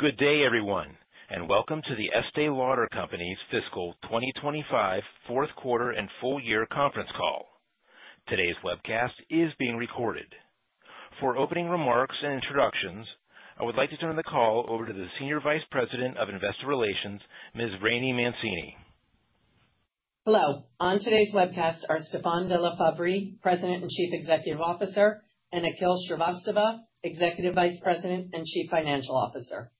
Good day everyone and welcome to The Estée Lauder Companies' Fiscal 2025 Fourth Quarter and Full Year Conference Call. Today's webcast is being recorded. For opening remarks and introductions, I would like to turn the call over to the Senior Vice President of Investor Relations, Ms. Rainey Mancini. Hello. On today's webcast are Stéphane de La Faverie, President and Chief Executive Officer, and Akhil Shrivastava, Executive Vice President and Chief Financial Officer.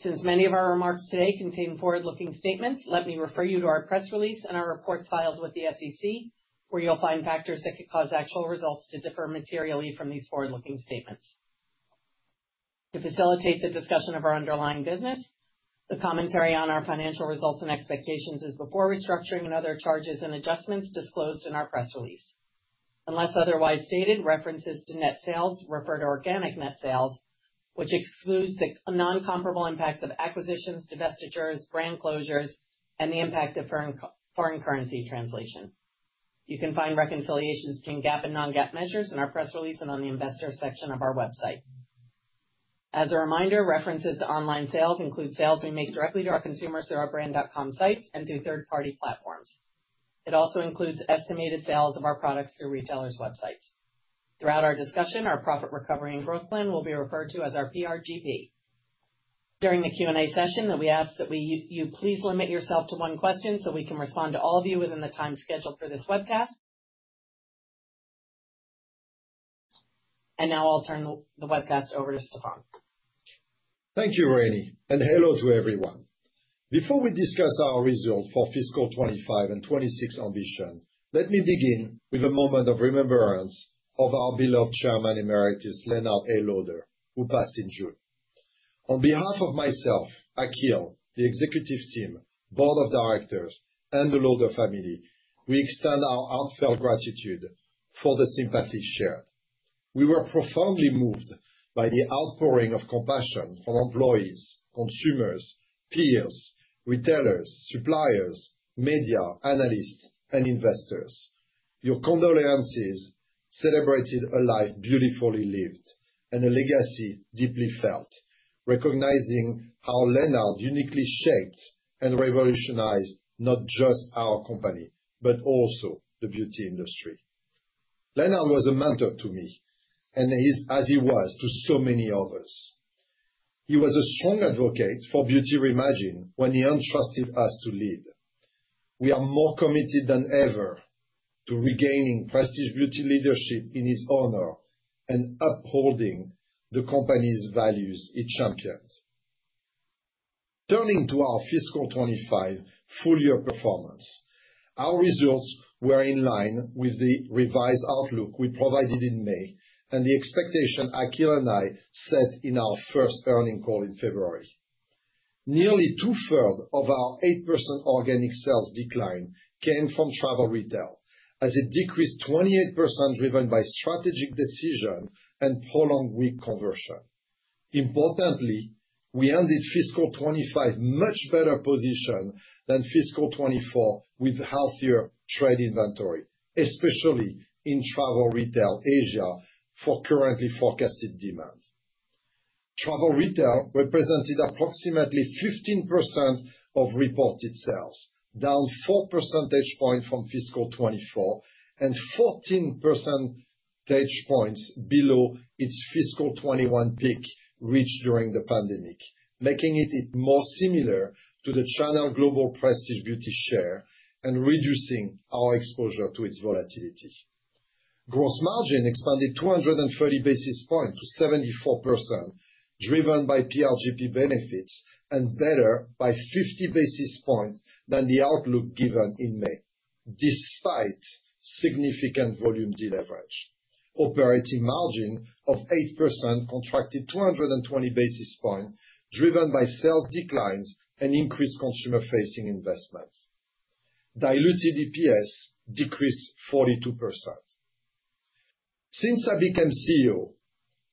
Since many of our remarks today contain forward-looking statements, let me refer you to our press release and our reports filed with the SEC where you'll find factors that could cause actual results to differ materially from these forward-looking statements to facilitate the discussion of our underlying business. The commentary on our financial results and expectations is before restructuring and other charges and adjustments disclosed in our press release. Unless otherwise stated, references to net sales refer to organic net sales, which excludes the non-comparable impacts of acquisitions, divestitures, brand closures, and the impact of foreign currency translation. You can find reconciliations between GAAP and non-GAAP measures in our press release and on the investors section of our website. As a reminder, references to online sales include sales we make directly to our consumers through our brand dot com sites and through third-party platforms. It also includes estimated sales of our products through retailers' websites. Throughout our discussion, our profit recovery and growth plan will be referred to as our PRGP. During the Q&A session, we ask that you please limit yourself to one question so we can respond to all of you within the time scheduled for this webcast. Now I'll turn the webcast over to Stéphane. Thank you, Rainey, and hello to everyone. Before we discuss our results for fiscal 2025 and 2026 ambition, let me begin with a moment of remembrance of our beloved Chairman Emeritus, Leonard A. Lauder, who passed in June. On behalf of myself, Akhil, the executive team, Board of Directors, and the Lauder family, we extend our heartfelt gratitude for the sympathies shared. We were profoundly moved by the outpouring of compassion from employees, consumers, peers, retailers, suppliers, media, analysts, and investors. Your condolences celebrated a life beautifully lived and a legacy deeply felt. Recognizing how Leonard uniquely shaped and revolutionized not just our company, but also the beauty industry. Leonard was a mentor to me as he was to so many others. He was a strong advocate for Beauty Reimagined when he entrusted us to lead. We are more committed than ever to regaining prestige beauty leadership in his honor and upholding the company's values it champions. Turning to our fiscal 2025 full year performance. Our results were in line with the revised outlook we provided in May and the expectation Akhil and I set in our first earnings call in February. Nearly 2/3 of our 8% organic sales decline came from travel retail as it decreased 28% driven by strategic decisions and prolonged weak conversion. Importantly, we ended fiscal 2025 much better positioned than fiscal 2024 with healthier trade inventory, especially in travel retail Asia. For currently forecasted demand, travel retail represented approximately 15% of reported sales, down 4 percentage points from fiscal 2024 and 14 percentage points below its fiscal 2021 peak reached during the pandemic, making it more similar to the channel global prestige beauty hare and reducing our exposure to its volatility. Gross margin expanded 230 basis points to 74% driven by PRGP benefits and better by 50 basis points than the outlook given in May. Despite significant volume deleverage, operating margin of 8% contracted 220 basis points driven by sales declines and increased consumer-facing investments. Diluted EPS decreased 42%. Since I became CEO,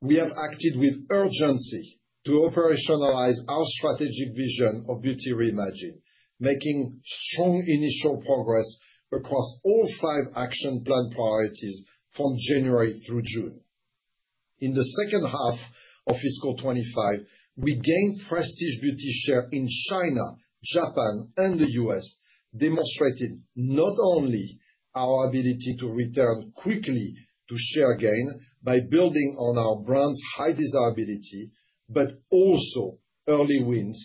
we have acted with urgency to operationalize our strategic vision of Beauty Reimagined, making strong initial progress across all five action plan priorities from January through June. In the second half of fiscal 2025, we gained prestige beauty share in China, Japan, and the U.S., demonstrating not only our ability to return quickly to share gain by building on our brands' high desirability but also early wins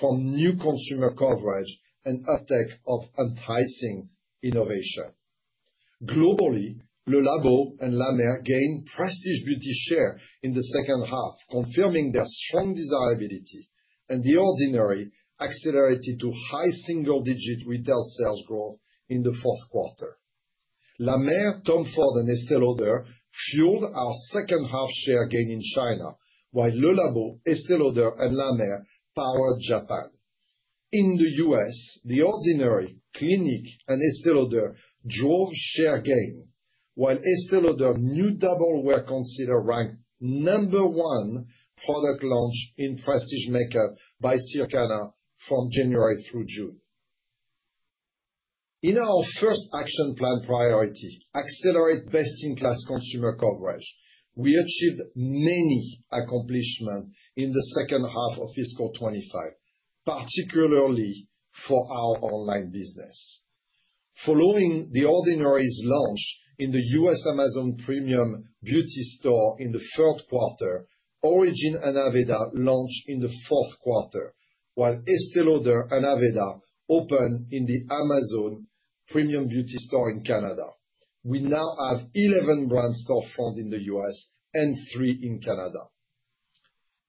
from new consumer coverage and uptake of enticing innovation globally. Le Labo and La Mer gained prestige beauty share in the second half, confirming their strong desirability, and The Ordinary accelerated to high single-digit retail sales growth in the fourth quarter. La Mer, Tom Ford, and Estée Lauder fueled our second half share gain in China, while Le Labo, Estée Lauder, and La Mer powered Japan. In the U.S., The Ordinary, Clinique, and Estée Lauder drove share gain, while Estée Lauder new Double Wear was considered ranked number one product launch in prestige makeup by Circana from January through June. In our first action plan priority, accelerate best-in-class consumer coverage, we achieved many accomplishments in the second half of fiscal 2025, particularly for our online business. Following The Ordinary's launch in the U.S. Amazon Premium Beauty store in the third quarter, Origins and Aveda launched in the fourth quarter, while Estée Lauder and Aveda opened in the Amazon Premium Beauty store in Canada. We now have 11 brand stores found in the U.S. and three in Canada,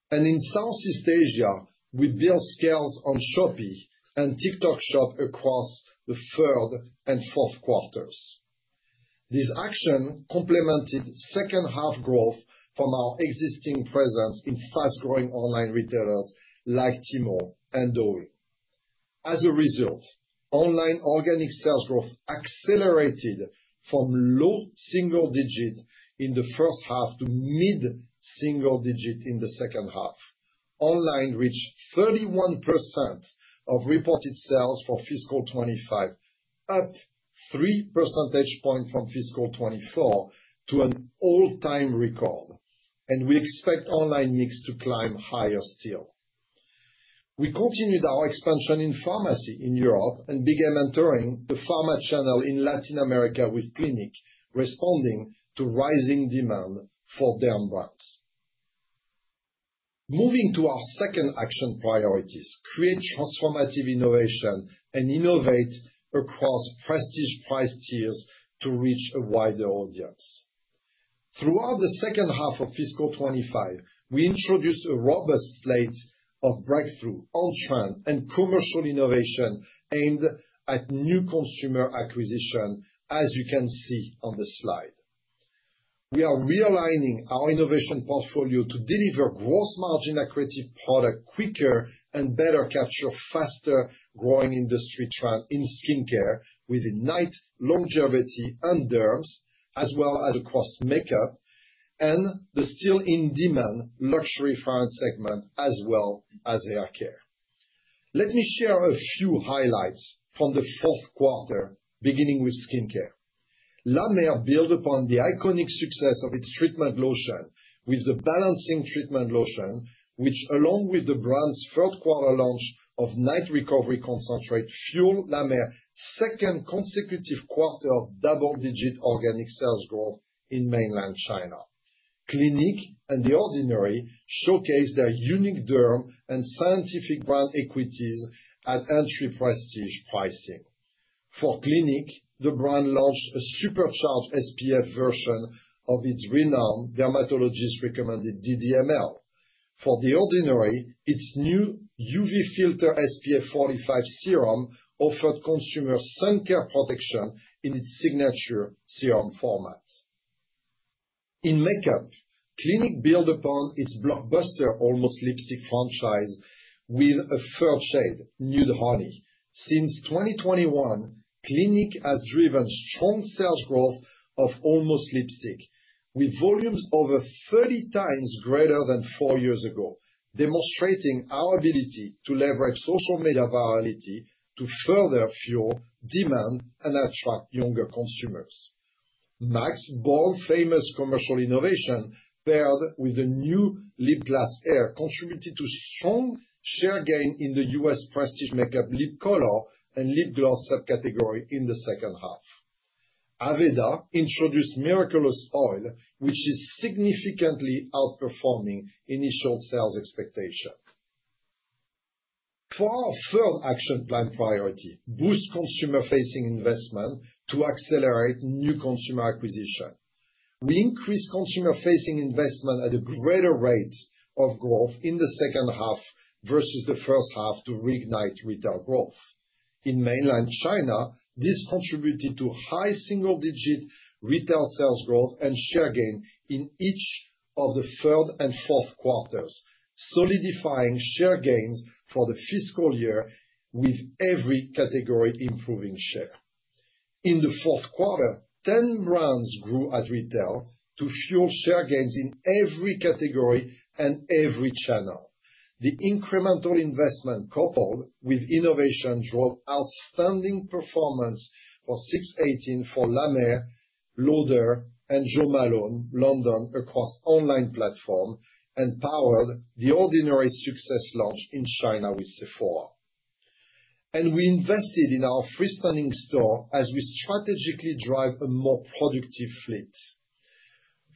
and in Southeast Asia, we built scale on Shopee and TikTok Shop across the third and fourth quarters. This action complemented second half growth from our existing presence in fast-growing online retailers like Tmall and OL. As a result, online organic sales growth accelerated from low single-digit in the first half to mid single-digit in the second half. Online reached 31% of reported sales for fiscal 2025, up 3 percentage points from fiscal 2024 to an all-time record, and we expect online mix to climb higher still. We continued our expansion in pharmacy in Europe and began entering the pharma channel in Latin America with Clinique, responding to rising demand for down brands. Moving to our second action priority, create transformative innovation and innovate across prestige price tiers to reach a wider audience. Throughout the second half of fiscal 2025, we introduced a robust slate of breakthrough, all-trend, and commercial innovation aimed at new consumer acquisition. As you can see on the slide, we are realigning our innovation portfolio to deliver gross margin accretive product quicker and better capture faster growing industry trend in skin care with night longevity and derms as well as across makeup and the still in demand much refined segment as well as hair care. Let me share a few highlights from the fourth quarter. Beginning with skin care, La Mer built upon the iconic success of its Treatment Lotion with the Balancing Treatment Lotion, which along with the brand's third quarter launch of Night Recovery Concentrate fueled La Mer's second consecutive quarter of double-digit organic sales growth in mainland China. Clinique and The Ordinary showcase their unique derm and scientific brand equities at entry prestige pricing. For Clinique, the brand launched a supercharged SPF version of its renowned dermatologist recommended DDML. For The Ordinary, its new UV Filter SPF 45 Serum offered consumer sun care protection in its signature serum format. In makeup, Clinique built upon its blockbuster Almost Lipstick franchise with a first shade Nude Honey. Since 2021, Clinique has driven strong sales growth of Almost Lipstick with volumes over 30x greater than four years ago, demonstrating our ability to leverage social media virality to further fuel demand and attract younger consumers. M.A.C born famous commercial innovation paired with the new Lip Glass Air contributed to strong share gain in the U.S. prestige makeup, lip color, and lip gloss subcategory in the second half. Aveda introduced Miraculous Oil, which is significantly outperforming initial sales expectations. For our third action plan, boost consumer-facing investment to accelerate new consumer acquisition, we increased consumer-facing investment at a greater rate of growth in the second half versus the first half to reignite retail growth in mainland China. This contributed to high single-digit retail sales growth and share gain in each of the third and fourth quarters, solidifying share gains for the fiscal year with every category improving share in the fourth quarter. Ten brands grew at retail to fuel share gains in every category and every channel. The incremental investment coupled with innovation drove outstanding performance for CIP 18 for La Mer, Estée Lauder, and Jo Malone London across online platforms and powered The Ordinary's successful launch in China with Sephora. We invested in our freestanding stores as we strategically drive a more productive fleet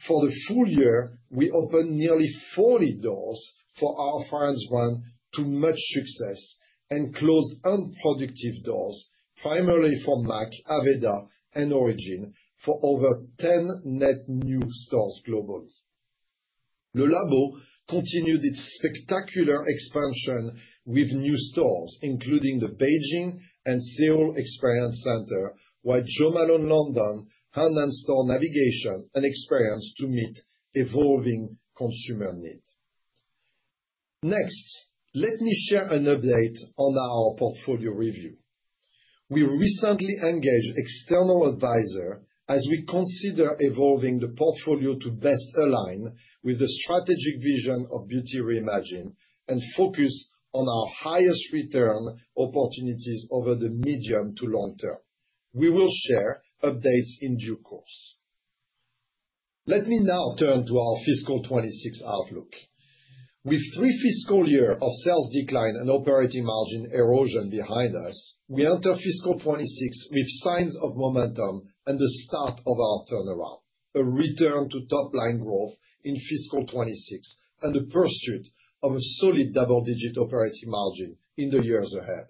for the full year. We opened nearly 40 doors for our finance brand to much success and closed unproductive doors, primarily for M.A.C, Aveda, and Origins, for over 10 net new stores global. Le Labo continued its spectacular expansion with new stores, including the Beijing and Seoul Experience Center, while Jo Malone London enhanced navigation and experience to meet evolving consumer needs. Next, let me share an update on our portfolio review. We recently engaged external advisors as we consider evolving the portfolio to best align with the strategic vision of Beauty Reimagined and focus on our highest return opportunities over the medium to long term. We will share updates in due course. Let me now turn to our fiscal 2026 outlook. With three fiscal years of sales decline and operating margin erosion behind us, we enter fiscal 2026 with signs of momentum and the start of our turnaround, a return to top line growth in fiscal 2026, and the pursuit of a solid double-digit operating margin in the years ahead.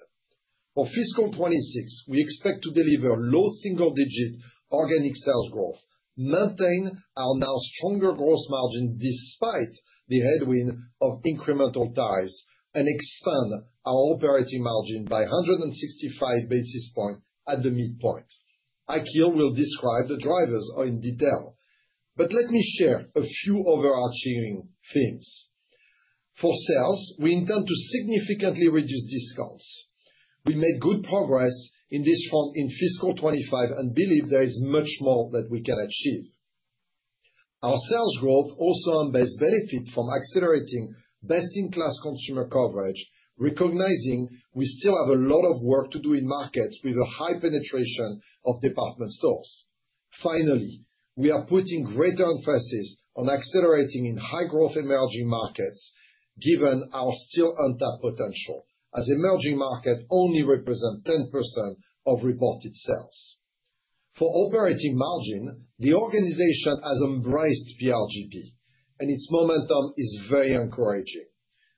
For fiscal 2026, we expect to deliver low single-digit organic sales growth, maintain our now stronger gross margin despite the headwind of incremental tariffs, and expand our operating margin by 165 basis points at the midpoint. Akhil will describe the drivers in detail, but let me share a few overarching themes. For sales, we intend to significantly reduce discounting. We made good progress on this front in fiscal 2025 and believe there is much more that we can achieve. Our sales growth also embeds benefit from accelerating best-in-class consumer coverage, recognizing we still have a lot of work to do in markets with a high penetration of department stores. Finally, we are putting greater emphasis on accelerating in high-growth emerging markets given our still untapped potential, as emerging markets only represent 10% of reported sales. For operating margin, the organization has embraced the PRGP and its momentum is very encouraging.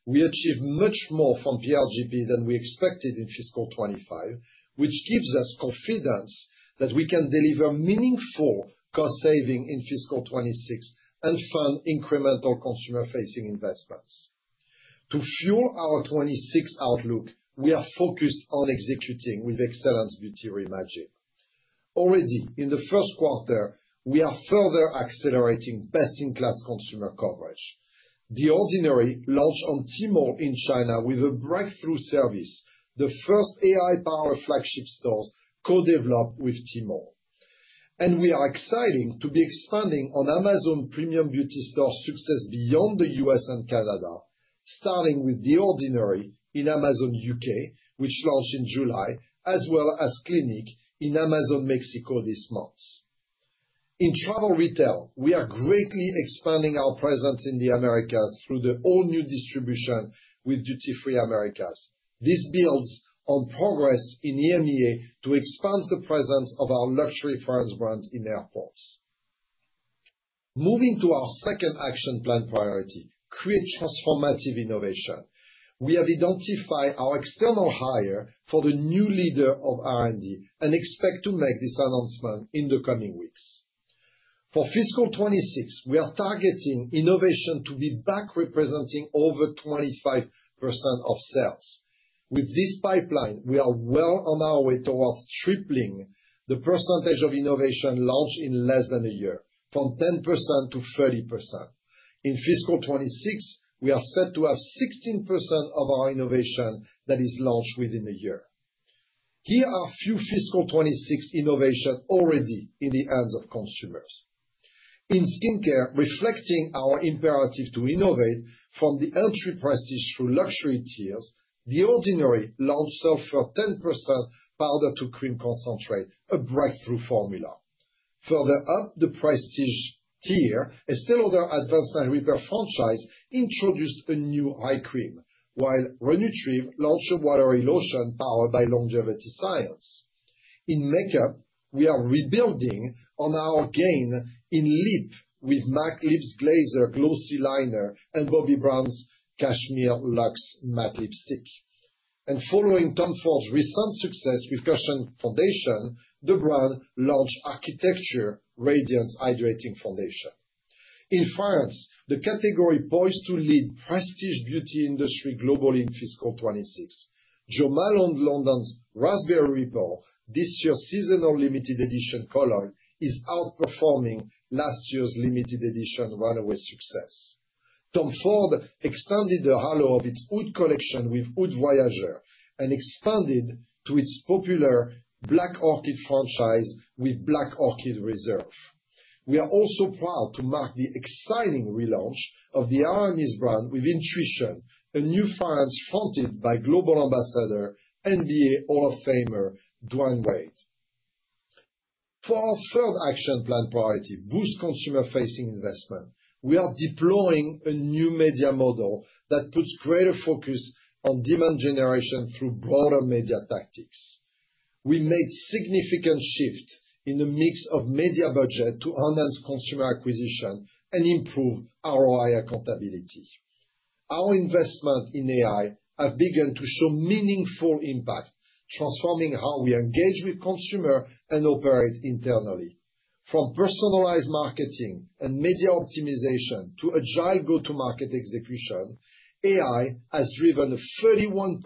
We achieved much more from PRGP than we expected in fiscal 2025, which gives us confidence that we can deliver meaningful cost savings in fiscal 2026 and fund incremental consumer-facing investments. To fuel our 2026 outlook, we are focused on executing with excellence Beauty Reimagined. Already in the first quarter, we are further accelerating best-in-class consumer coverage. The Ordinary launched on Tmall in China with a breakthrough service, the first AI-powered flagship stores co-developed with Tmall, and we are excited to be expanding on Amazon Premium Beauty store success beyond the U.S. and Canada, starting with The Ordinary in Amazon U.K., which launched in July, as well as Clinique in Amazon Mexico this month. In travel retail, we are greatly expanding our presence in the Americas through the all-new distribution with Duty Free Americas. This builds on progress in EMEA to expand the presence of our luxury fragrance brand in airports. Moving to our second action plan priority, create transformative innovation, we have identified our external hire for the new leader of R&D and expect to make this announcement in the coming weeks. For fiscal 2026, we are targeting innovation to be back representing over 25% of sales. With this pipeline, we are well on our way towards tripling the percentage of innovation launched in less than a year from 10% to 30%. In fiscal 2026, we are set to have 16% of our innovation that is launched within a year. Here are a few fiscal 2026 innovations already in the hands of consumers in skincare, reflecting our imperative to innovate from the entry prices through luxury tiers. The Ordinary launched Sulfate 10% Powder-to-Cream Concentrate, a breakthrough formula. Further up the price tier, Estée Lauder Advanced Night Repair franchise introduced a new eye cream, while Re-Nutriv launched a watery lotion powered by longevity science. In makeup, we are rebuilding on our gain in lip with M.A.C Lip Glaze Glossy Liner and Bobbi Brown's Cashmere Luxe Matte Lipstick. Following Tom Ford's recent success with cushion foundation, the brand launched Architecture Radiance Hydrating Foundation in France, the category poised to lead prestige beauty industry global in fiscal 2026. Jo Malone London's Raspberry Ripple, this year's seasonal limited edition cologne, is outperforming last year's limited edition runaway success. Tom Ford expanded the halo of its Oud collection with Oud Voyager and expanded its popular Black Orchid franchise with Black Orchid Reserve. We are also proud to mark the exciting relaunch of the Aramis brand with Intuition, a new fragrance fronted by Global Ambassador NBA Hall of Famer Dwyane Wade. For our third action plan priority boost consumer-facing investment, we are deploying a new media model that puts greater focus on demand generation through broader media tactics. We made significant shift in the mix of media budget to enhance consumer acquisition and improve ROI accountability. Our investment in AI have begun to show meaningful impact, transforming how we engage with consumers and operate internally from personalized marketing and media optimization to agile go to market execution. AI has driven a 31%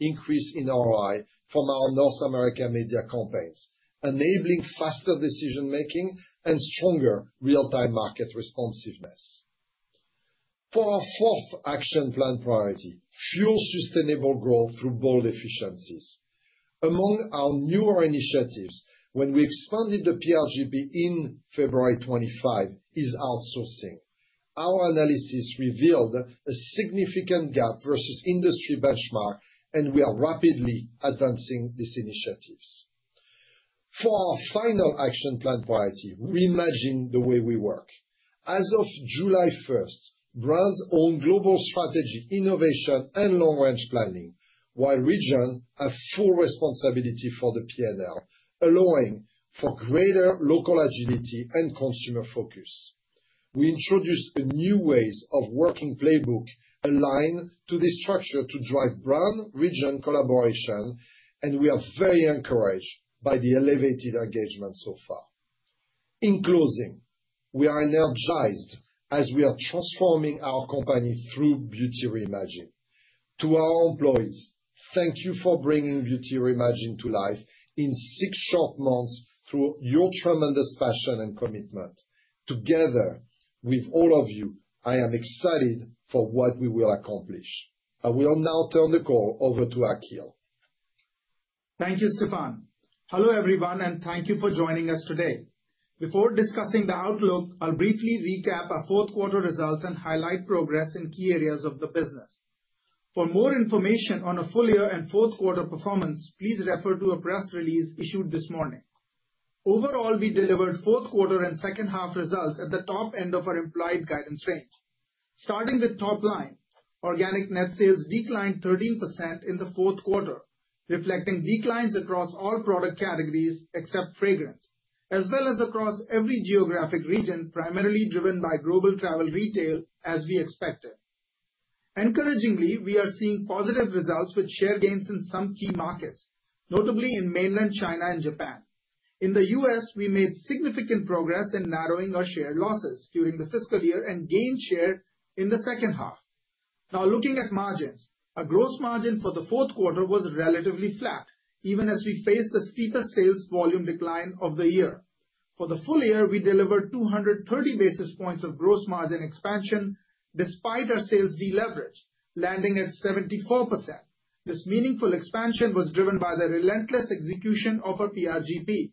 increase in ROI from our North American media campaigns, enabling faster decision making and stronger real time market responsiveness. For our fourth action plan priority fuel sustainable growth through bold efficiencies, among our newer initiatives when we expanded the PRGP in February 25 is outsourcing. Our analysis revealed a significant gap versus industry benchmark, and we are rapidly advancing these initiatives. For our final action plan priority reimagine the way we work, as of July 1st, [Braz] owns global strategy, innovation and long range planning while [Region] have full responsibility for the P&L, allowing for greater local agility and consumer focus. We introduced the new ways of working playbook aligned to this structure to drive brand region collaboration, and we are very encouraged by the elevated engagement so far. In closing, we are energized as we are transforming our company through Beauty Reimagined. To our employees, thank you for bringing Beauty Reimagined to life in six short months through your tremendous passion and commitment. Together with all of you, I am excited for what we will accomplish. I will now turn the call over to Akhil. Thank you, Stéphane. Hello everyone, and thank you for joining us today. Before discussing the outlook, I'll briefly recap our fourth quarter results and highlight progress in key areas of the business. For more information on our full year and fourth quarter performance, please refer to a press release issued this morning. Overall, we delivered fourth quarter and second half results at the top end of our implied guidance range. Starting with top line organic, net sales declined 13% in the fourth quarter, reflecting declines across all product categories except fragrance, as well as across every geographic region, primarily driven by global travel retail as we expected. Encouragingly, we are seeing positive results with share gains in some key markets, notably in mainland China and Japan. In the U.S., we made significant progress in narrowing our share losses during the fiscal year and gained share in the second half. Now, looking at margins, our gross margin for the fourth quarter was relatively flat even as we faced the steepest sales volume decline of the year. For the full year, we delivered 230 basis points of gross margin expansion despite our sales deleverage landing at 74%. This meaningful expansion was driven by the relentless execution of our PRGP.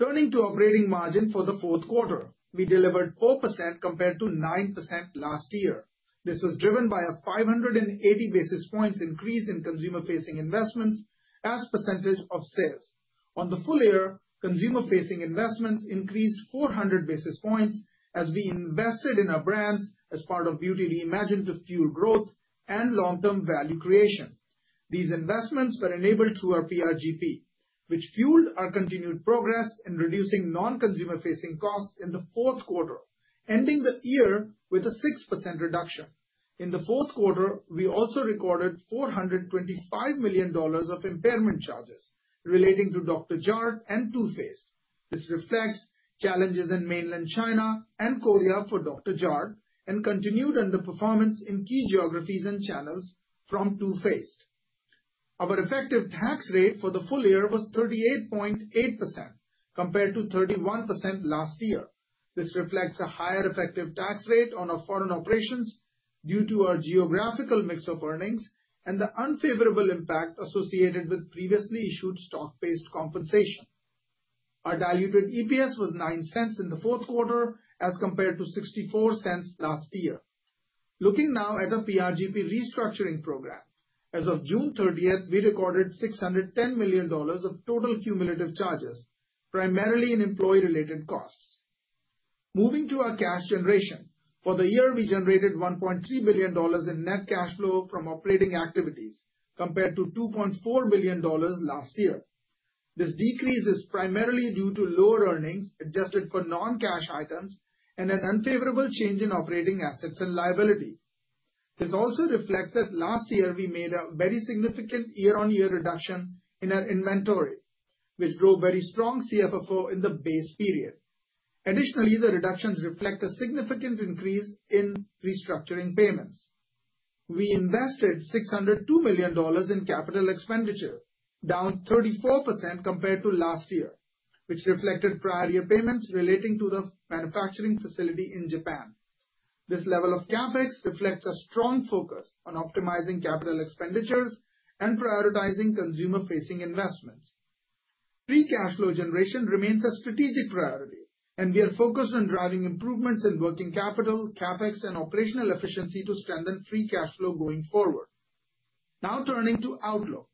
Turning to operating margin, for the fourth quarter we delivered 4% compared to 9% last year. This was driven by a 580 basis points increase in consumer-facing investments as a percentage of sales. On the full year, consumer-facing investments increased 400 basis points as we invested in our brands as part of Beauty Reimagined to fuel growth and long term value creation. These investments were enabled through our PRGP, which fueled our continued progress in reducing non consumer-facing costs in the fourth quarter, ending the year with a 6% reduction in the fourth quarter. We also recorded $425 million of impairment charges relating to Dr.Jart+ and Too Faced. This reflects challenges in mainland China and Korea for Dr.Jart+ and continued underperformance in key geographies and channels from Too Faced. Our effective tax rate for the full year was 38.8% compared to 31% last year. This reflects a higher effective tax rate on our foreign operations due to our geographical mix of earnings and the unfavorable impact associated with previously issued stock based compensation. Our diluted EPS was $0.09 in the fourth quarter as compared to $0.64 last year. Looking now at our PRGP restructuring program, as of June 30th we recorded $610 million of total cumulative charges, primarily in employee-related costs. Moving to our cash generation for the year, we generated $1.3 billion in net cash flow from operating activities compared to $2.4 billion last year. This decrease is primarily due to lower earnings adjusted for non-cash items and an unfavorable change in operating assets and liability. This also reflects that last year we made a very significant year-on-year reduction in our inventory, which drove very strong CFFO in the base period. Additionally, the reductions reflect a significant increase in restructuring payments. We invested $602 million in capital expenditures, down 34% compared to last year, which reflected prior year payments relating to the manufacturing facility in Japan. This level of CapEx reflects a strong focus on optimizing capital expenditures and prioritizing consumer-facing investments. Free cash flow generation remains a strategic priority, and we are focused on driving improvements in working capital, CapEx, and operational efficiency to strengthen free cash flow going forward. Now turning to outlook,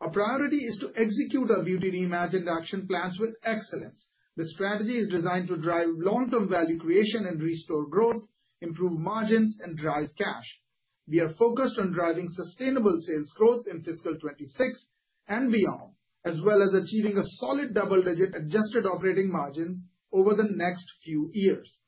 our priority is to execute our Beauty Reimagined action plans with excellence. The strategy is designed to drive long-term value creation and restore growth, improve margins, and drive cash. We are focused on driving sustainable sales growth in fiscal 2026 and beyond, as well as achieving a solid double-digit adjusted operating margin over the next few years.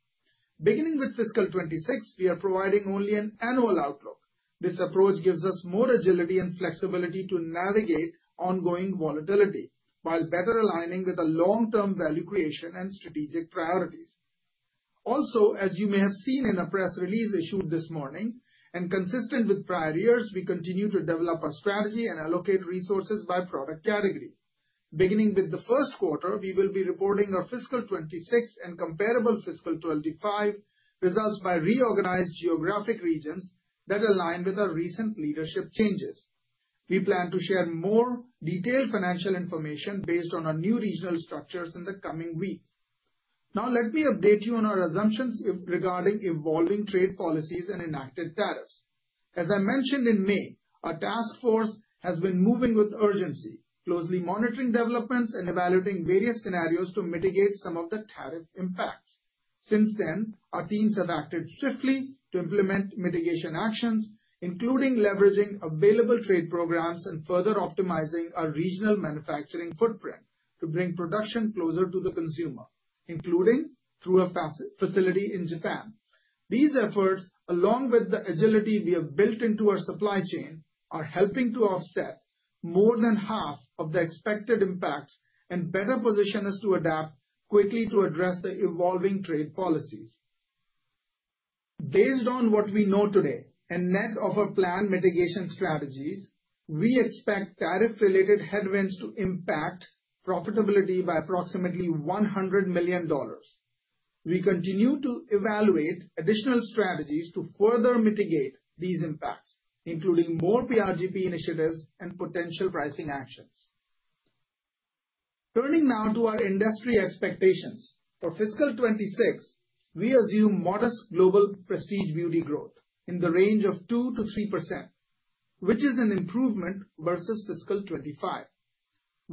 Beginning with fiscal 2026, we are providing only an annual outlook. This approach gives us more agility and flexibility to navigate ongoing volatility while better aligning with long-term value creation and strategic priorities. Also, as you may have seen in a press release issued this morning and consistent with prior years, we continue to develop our strategy and allocate resources by product category. Beginning with the first quarter, we will be reporting our fiscal 2026 and comparable fiscal 2025 results by reorganized geographic regions that align with our recent leadership changes. We plan to share more detailed financial information based on our new regional structures in the coming weeks. Now let me update you on our assumptions regarding evolving trade policies and enacted tariffs. As I mentioned in May, our task force has been moving with urgency, closely monitoring developments and evaluating various scenarios to mitigate some of the tariff impacts. Since then, our teams have acted swiftly to implement mitigation actions, including leveraging available trade programs and further optimizing our regional manufacturing footprint to bring production closer to the consumer, including through a facility in Japan. These efforts, along with the agility we have built into our supply chain, are helping to offset more than half of the expected impact and better position us to adapt quickly to address the evolving trade policies. Based on what we know today and net of our planned mitigation strategies, we expect tariff-related headwinds to impact profitability by approximately $100 million. We continue to evaluate additional strategies to further mitigate these impacts, including more PRGP initiatives and potential pricing actions. Turning now to our industry expectations for fiscal 2026, we assume modest global prestige beauty growth in the range of 2%-3%, which is an improvement versus fiscal 2025.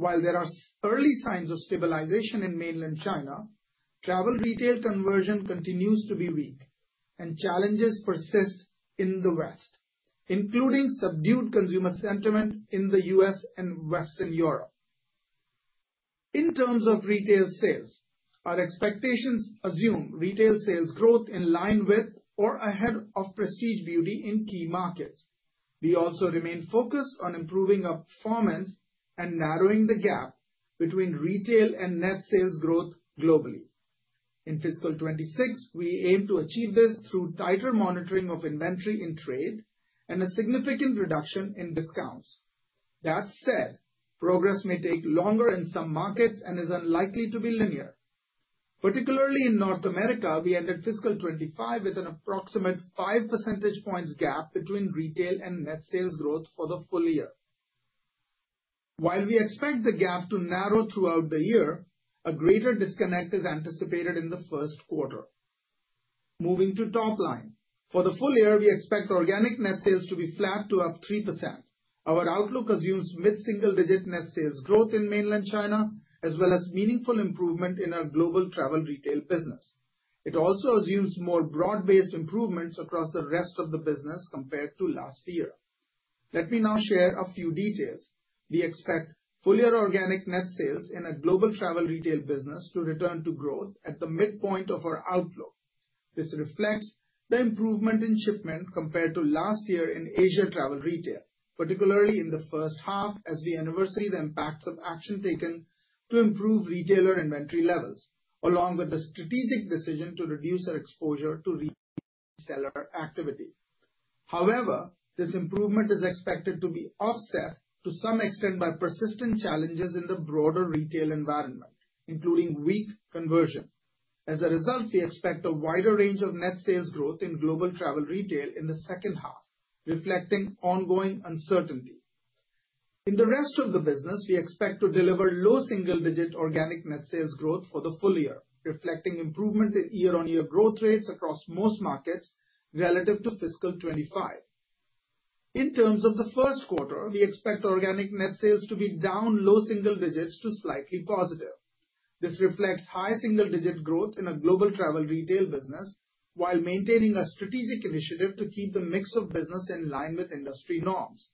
While there are early signs of stabilization in mainland China, travel retail conversion continues to be weak and challenges persist in the West, including subdued consumer sentiment in the U.S. and Western Europe. In terms of retail sales, our expectations assume retail sales growth in line with or ahead of prestige beauty in key markets. We also remain focused on improving our performance and narrowing the gap between retail and net sales growth globally in fiscal 2026. We aim to achieve this through tighter monitoring of inventory in trade and a significant reduction in discounts. That said, progress may take longer in some markets and is unlikely to be linear, particularly in North America. We ended fiscal 2025 with an approximate 5 percentage points gap between retail and net sales growth for the full year. While we expect the gap to narrow throughout the year, a greater disconnect is anticipated in the first quarter. Moving to top line for the full year, we expect organic net sales to be flat to up 3%. Our outlook assumes mid single-digit net sales growth in mainland China as well as meaningful improvement in our global travel retail business. It also assumes more broad-based improvements across the rest of the business compared to last year. Let me now share a few details. We expect full year organic net sales in our global travel retail business to return to growth at the midpoint of our outlook. This reflects the improvement in shipment compared to last year in Asia travel retail, particularly in the first half as we anniversary the impacts of action taken to improve retailer inventory levels along with the strategic decision to reduce our exposure to reseller activity. However, this improvement is expected to be offset to some extent by persistent challenges in the broader retail environment, including weak conversion. As a result, we expect a wider range of net sales growth in global travel retail in the second half, reflecting ongoing uncertainty in the rest of the business. We expect to deliver low single digit organic net sales growth for the full year, reflecting improvement in year-on-year growth rates across most markets relative to fiscal 2025. In terms of the first quarter, we expect organic net sales to be down low single digits to slightly positive. This reflects high single digit growth in our global travel retail business while maintaining a strategic initiative to keep the mix of business in line with industry norms.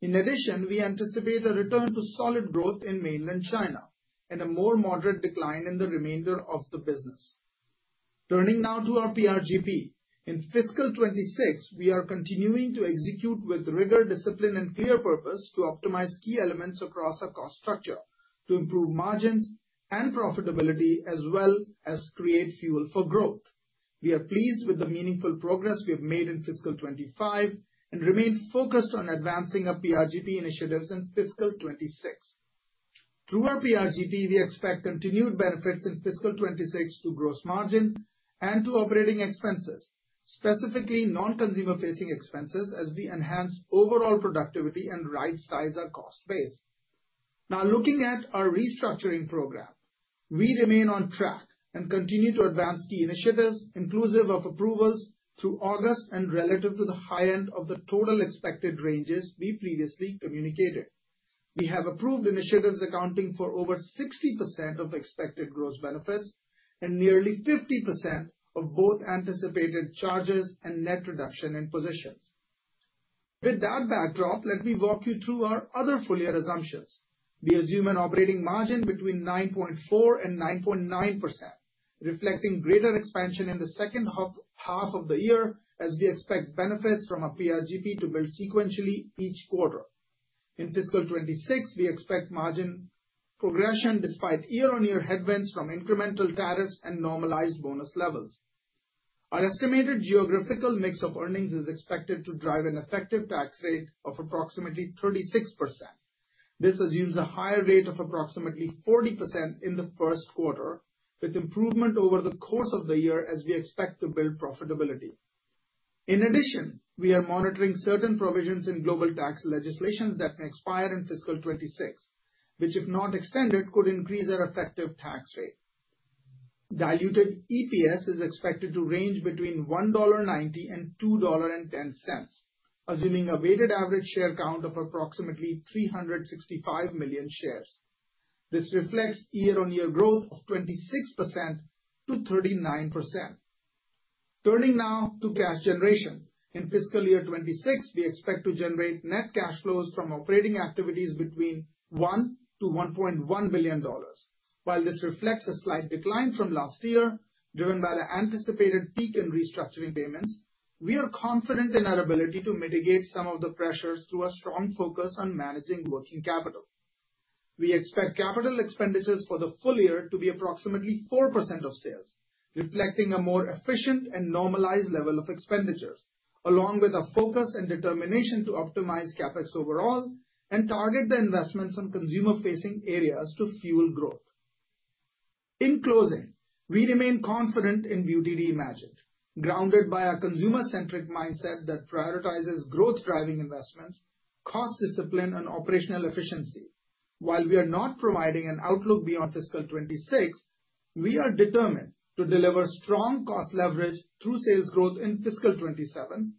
In addition, we anticipate a return to solid growth in mainland China and a more moderate decline in the remainder of the business. Turning now to our PRGP in fiscal 2026, we are continuing to execute with rigor, discipline, and clear purpose to optimize key elements across our cost structure to improve margins and profitability as well as create fuel for growth. We are pleased with the meaningful progress we have made in fiscal 2025 and remain focused on advancing our PRGP initiatives in fiscal 2026. Through our PRGP, we expect continued benefits in fiscal 2026 to gross margin and to operating expenses, specifically non consumer-facing expenses as we enhance overall productivity and rightsize our cost base. Now, looking at our restructuring program, we remain on track and continue to advance the initiatives inclusive of approvals through August and, relative to the high end of the total expected ranges we previously communicated, we have approved initiatives accounting for over 60% of expected gross benefits and nearly 50% of both anticipated charges and net reduction in positions. With that backdrop, let me walk you through our other full year assumptions. We assume an operating margin between 9.4% and 9.9%, reflecting greater expansion in the second half of the year as we expect benefits from a PRGP to build sequentially each quarter. In fiscal 2026, we expect margin progression despite year-on-year headwinds from incremental tariffs and normalized bonus levels. Our estimated geographical mix of earnings is expected to drive an effective tax rate of approximately 36%. This assumes a higher rate of approximately 40% in the first quarter with improvement over the course of the year as we expect to build profitability. In addition, we are monitoring certain provisions in global tax legislation that may expire in fiscal 2026, which, if not extended, could increase our effective tax rate. Diluted EPS is expected to range between $1.90 and $2.10. Assuming a weighted average share count of approximately 365 million shares, this reflects year-on-year growth of 26%-39%. Turning now to cash generation in fiscal year 2026, we expect to generate net cash flows from operating activities between $1 billion-$1.1 billion. While this reflects a slight decline from last year driven by the anticipated peak in restructuring payments, we are confident in our ability to mitigate some of the pressures through a strong focus on managing working capital. We expect capital expenditures for the full year to be approximately 4% of sales, reflecting a more efficient and normalized level of expenditures along with a focus and determination to optimize CapEx overall and target the investments on consumer-facing areas to fuel growth. In closing, we remain confident in Beauty Reimagined grounded by a consumer-centric mindset that prioritizes growth-driving investments, cost discipline, and operational efficiency. While we are not providing an outlook beyond fiscal 2026, we are determined to deliver strong cost leverage through sales growth in fiscal 2027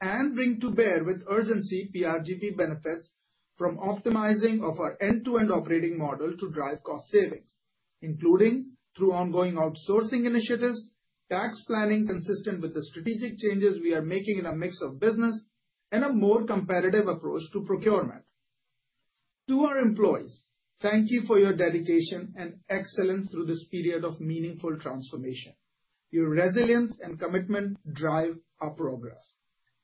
and bring to bear with urgency PRGP benefits from optimizing our end-to-end operating model to drive cost savings, including through ongoing outsourcing initiatives, tax planning consistent with the strategic changes we are making in a mix of business, and a more competitive approach to procurement to our employees. Thank you for your dedication and excellence through this period of meaningful transformation. Your resilience and commitment drive our progress.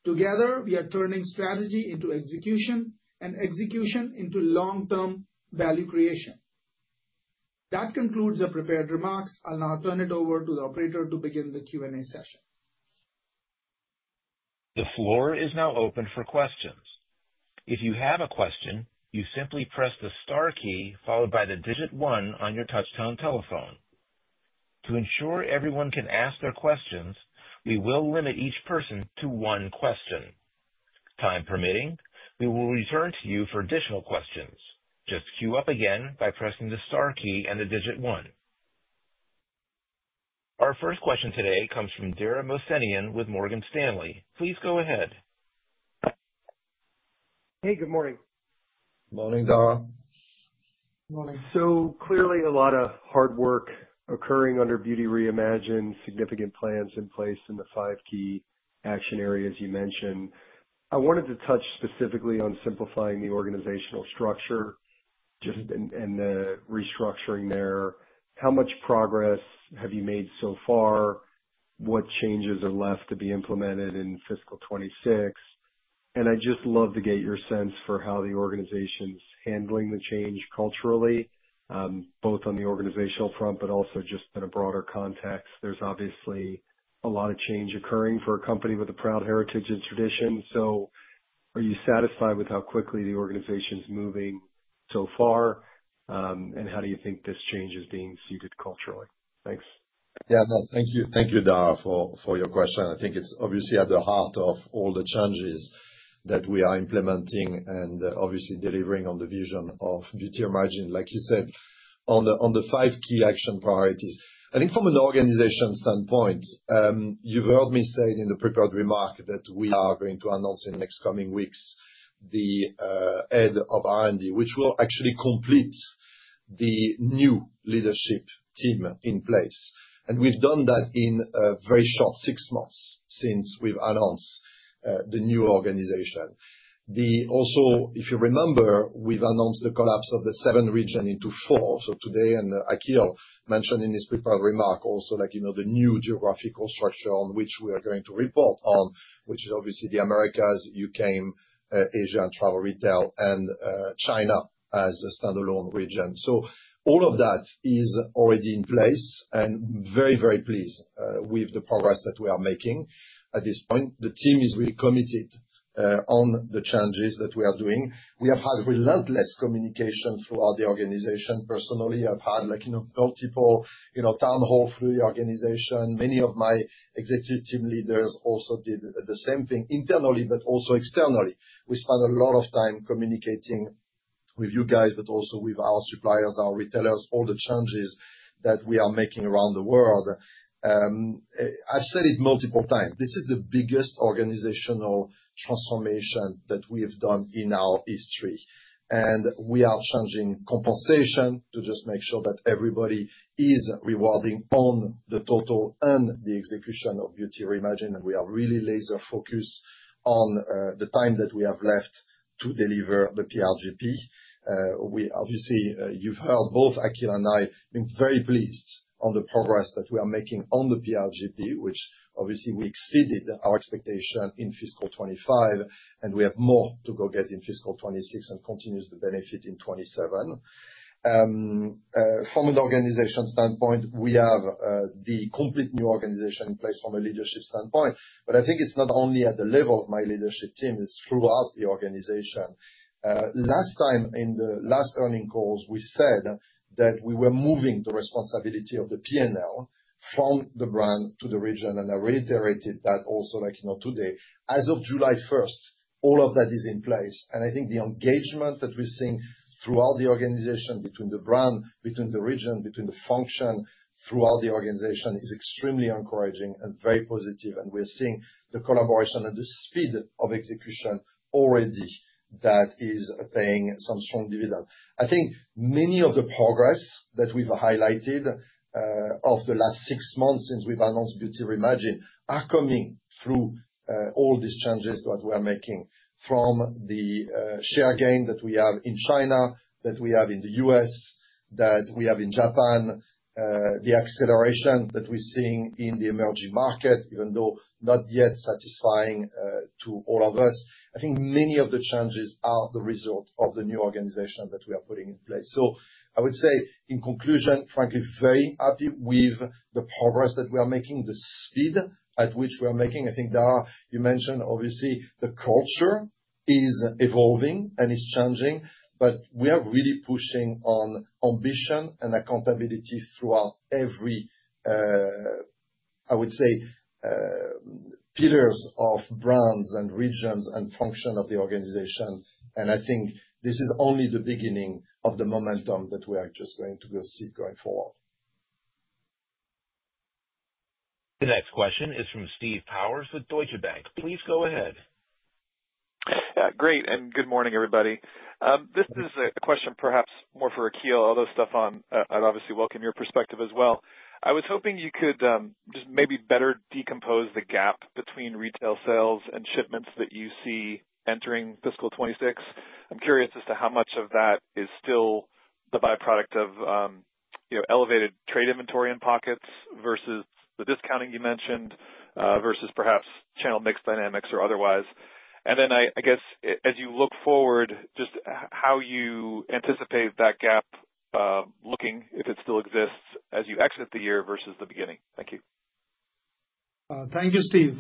Together we are turning strategy into execution and execution into long-term value creation. That concludes the prepared remarks. I'll now turn it over to the operator to begin the Q&A session. The floor is now open for questions. If you have a question, you simply press the star key followed by the digit one on your touchtone telephone. To ensure everyone can ask their questions, we will limit each person to one question, time permitting. We will return to you for additional questions. Just queue up again by pressing the star key and the digit one. Our first question today comes from Dara Mohsenian with Morgan Stanley. Please go ahead. Hey, good morning. Morning Dara. Clearly a lot of hard work occurring under Beauty Reimagined, significant plans in place in the five key action areas you mentioned. I wanted to touch specifically on simplifying the organizational structure and the restructuring there. How much progress have you made so far? What changes are left to be implemented in fiscal 2026? I just love to get your sense for how the organization's handling the change culturally both on the organizational front, but also just in a broader context. There's obviously a lot of change occurring for a company with a proud heritage and tradition. Are you satisfied with how quickly the organization's moving so far and how do you think this change is being suited culturally? Thanks. Yeah, no, thank you. Thank you, Dara, for your question. I think it's obviously at the heart of all the challenges that we are implementing and obviously delivering on the vision of Beauty Reimagined, like you said, on the five key action priorities. I think from an organization standpoint, you've heard me say in the prepared remark that we are going to announce in the next coming weeks the head of R&D, which will actually complete the new leadership team in place. We've done that in a very short six months since we've announced the new organization. Also, if you remember, we've announced the collapse of the seven regions into four. Today, and Akhil mentioned in his prepared remark also, the new geographical structure on which we are going to report, which is obviously the Americas, EMEA, Asia and travel retail, and China as a standalone region. All of that is already in place and very, very pleased with the progress that we are making. I think at this point the team is really committed on the changes that we are doing. We have had relentless communication throughout the organization. Personally, I've had multiple town halls through the organization. Many of my executive leaders also did the same thing internally but also externally. We spend a lot of time communicating with you guys, but also with our suppliers, our retailers, all the changes that we are making around the world. I've said it multiple times. This is the biggest organizational transformation that we have done in our history and we are changing compensation to just make sure that everybody is rewarding on the total and the execution of Beauty Reimagined. We are really laser focused on the time that we have left to deliver the PRGP. Obviously, you've heard both Akhil and I being very pleased on the progress that we are making on the PRGP, which obviously we exceeded our expectation in fiscal 2025 and we have more to go get in fiscal 2026 and continues the benefit in 2027. From an organization standpoint, we have the complete new organization in place from a leadership standpoint. I think it's not only at the level of my leadership team, it's throughout the organization. Last time, in the last earnings calls, we said that we were moving the responsibility of the P&L from the brand to the region and I reiterated that also. Today, as of July 1st, all of that is in place. I think the engagement that we're seeing throughout the organization, between the brand, between the region, between the function, throughout the organization, is extremely encouraging and very positive. We're seeing the collaboration and the speed of execution already that is paying some strong dividend. I think many of the progress that we've highlighted over the last six months since we've announced Beauty Reimagined are coming through. All these changes that we are making from the share gain that we have in China, that we have in the U.S., that we have in Japan, the acceleration that we're seeing in the emerging market, even though not yet satisfying to all of us, I think many of the changes are the result of the new organization that we are putting in place. I would say in conclusion, frankly, very happy with the progress that we are making, the speed at which we are making. I think, Dara, you mentioned, obviously the culture is evolving and is changing, but we are really pushing on ambition and accountability throughout every, I would say, pillars of brands and regions and function of the organization. I think this is only the beginning of the momentum that we are just going to see going forward. The next question is from Steve Powers with Deutsche Bank. Please go ahead. Great. Good morning everybody. This is a question perhaps for Akhil, although Stéphane, I'd obviously welcome your perspective as well. I was hoping you could just maybe better decompose the gap between retail sales and shipments that you see entering fiscal 2026. I'm curious as to how much of that is still the byproduct of elevated trade inventory in pockets versus the discounting you mentioned versus perhaps channel mix dynamics or otherwise. I guess as you look forward, just how you anticipate that gap looking, if it still exists as you exit the year versus the beginning. Thank you. Thank you, Steve.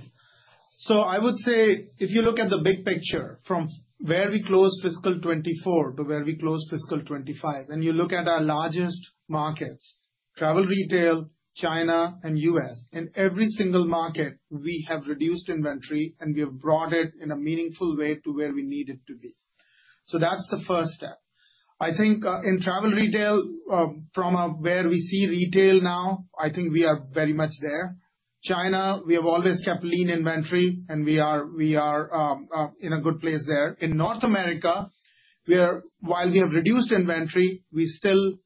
I would say if you look at the big picture from where we closed fiscal 2024 to where we closed fiscal 2025, and you look at our largest markets, travel retail, China, and U.S., in every single market, we have reduced inventory and we have brought it in a meaningful way to where we needed to be. That's the first step. I think in travel retail from where we see retail now, we are very much there. China, we have always kept lean inventory and we are in a good place there. In North America, while we have reduced inventory, we still,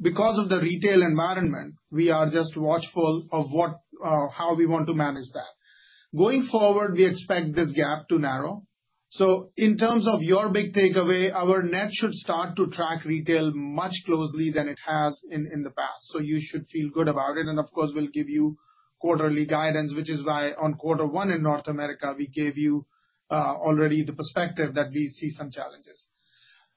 because of the retail environment, are just watchful of how we want to manage that going forward. We expect this gap to narrow. In terms of your big takeaway, our net should start to track retail much more closely than it has in the past. You should feel good about it. Of course, we'll give you quarterly guidance, which is why on quarter one in North America we gave you already the perspective that we see some challenges.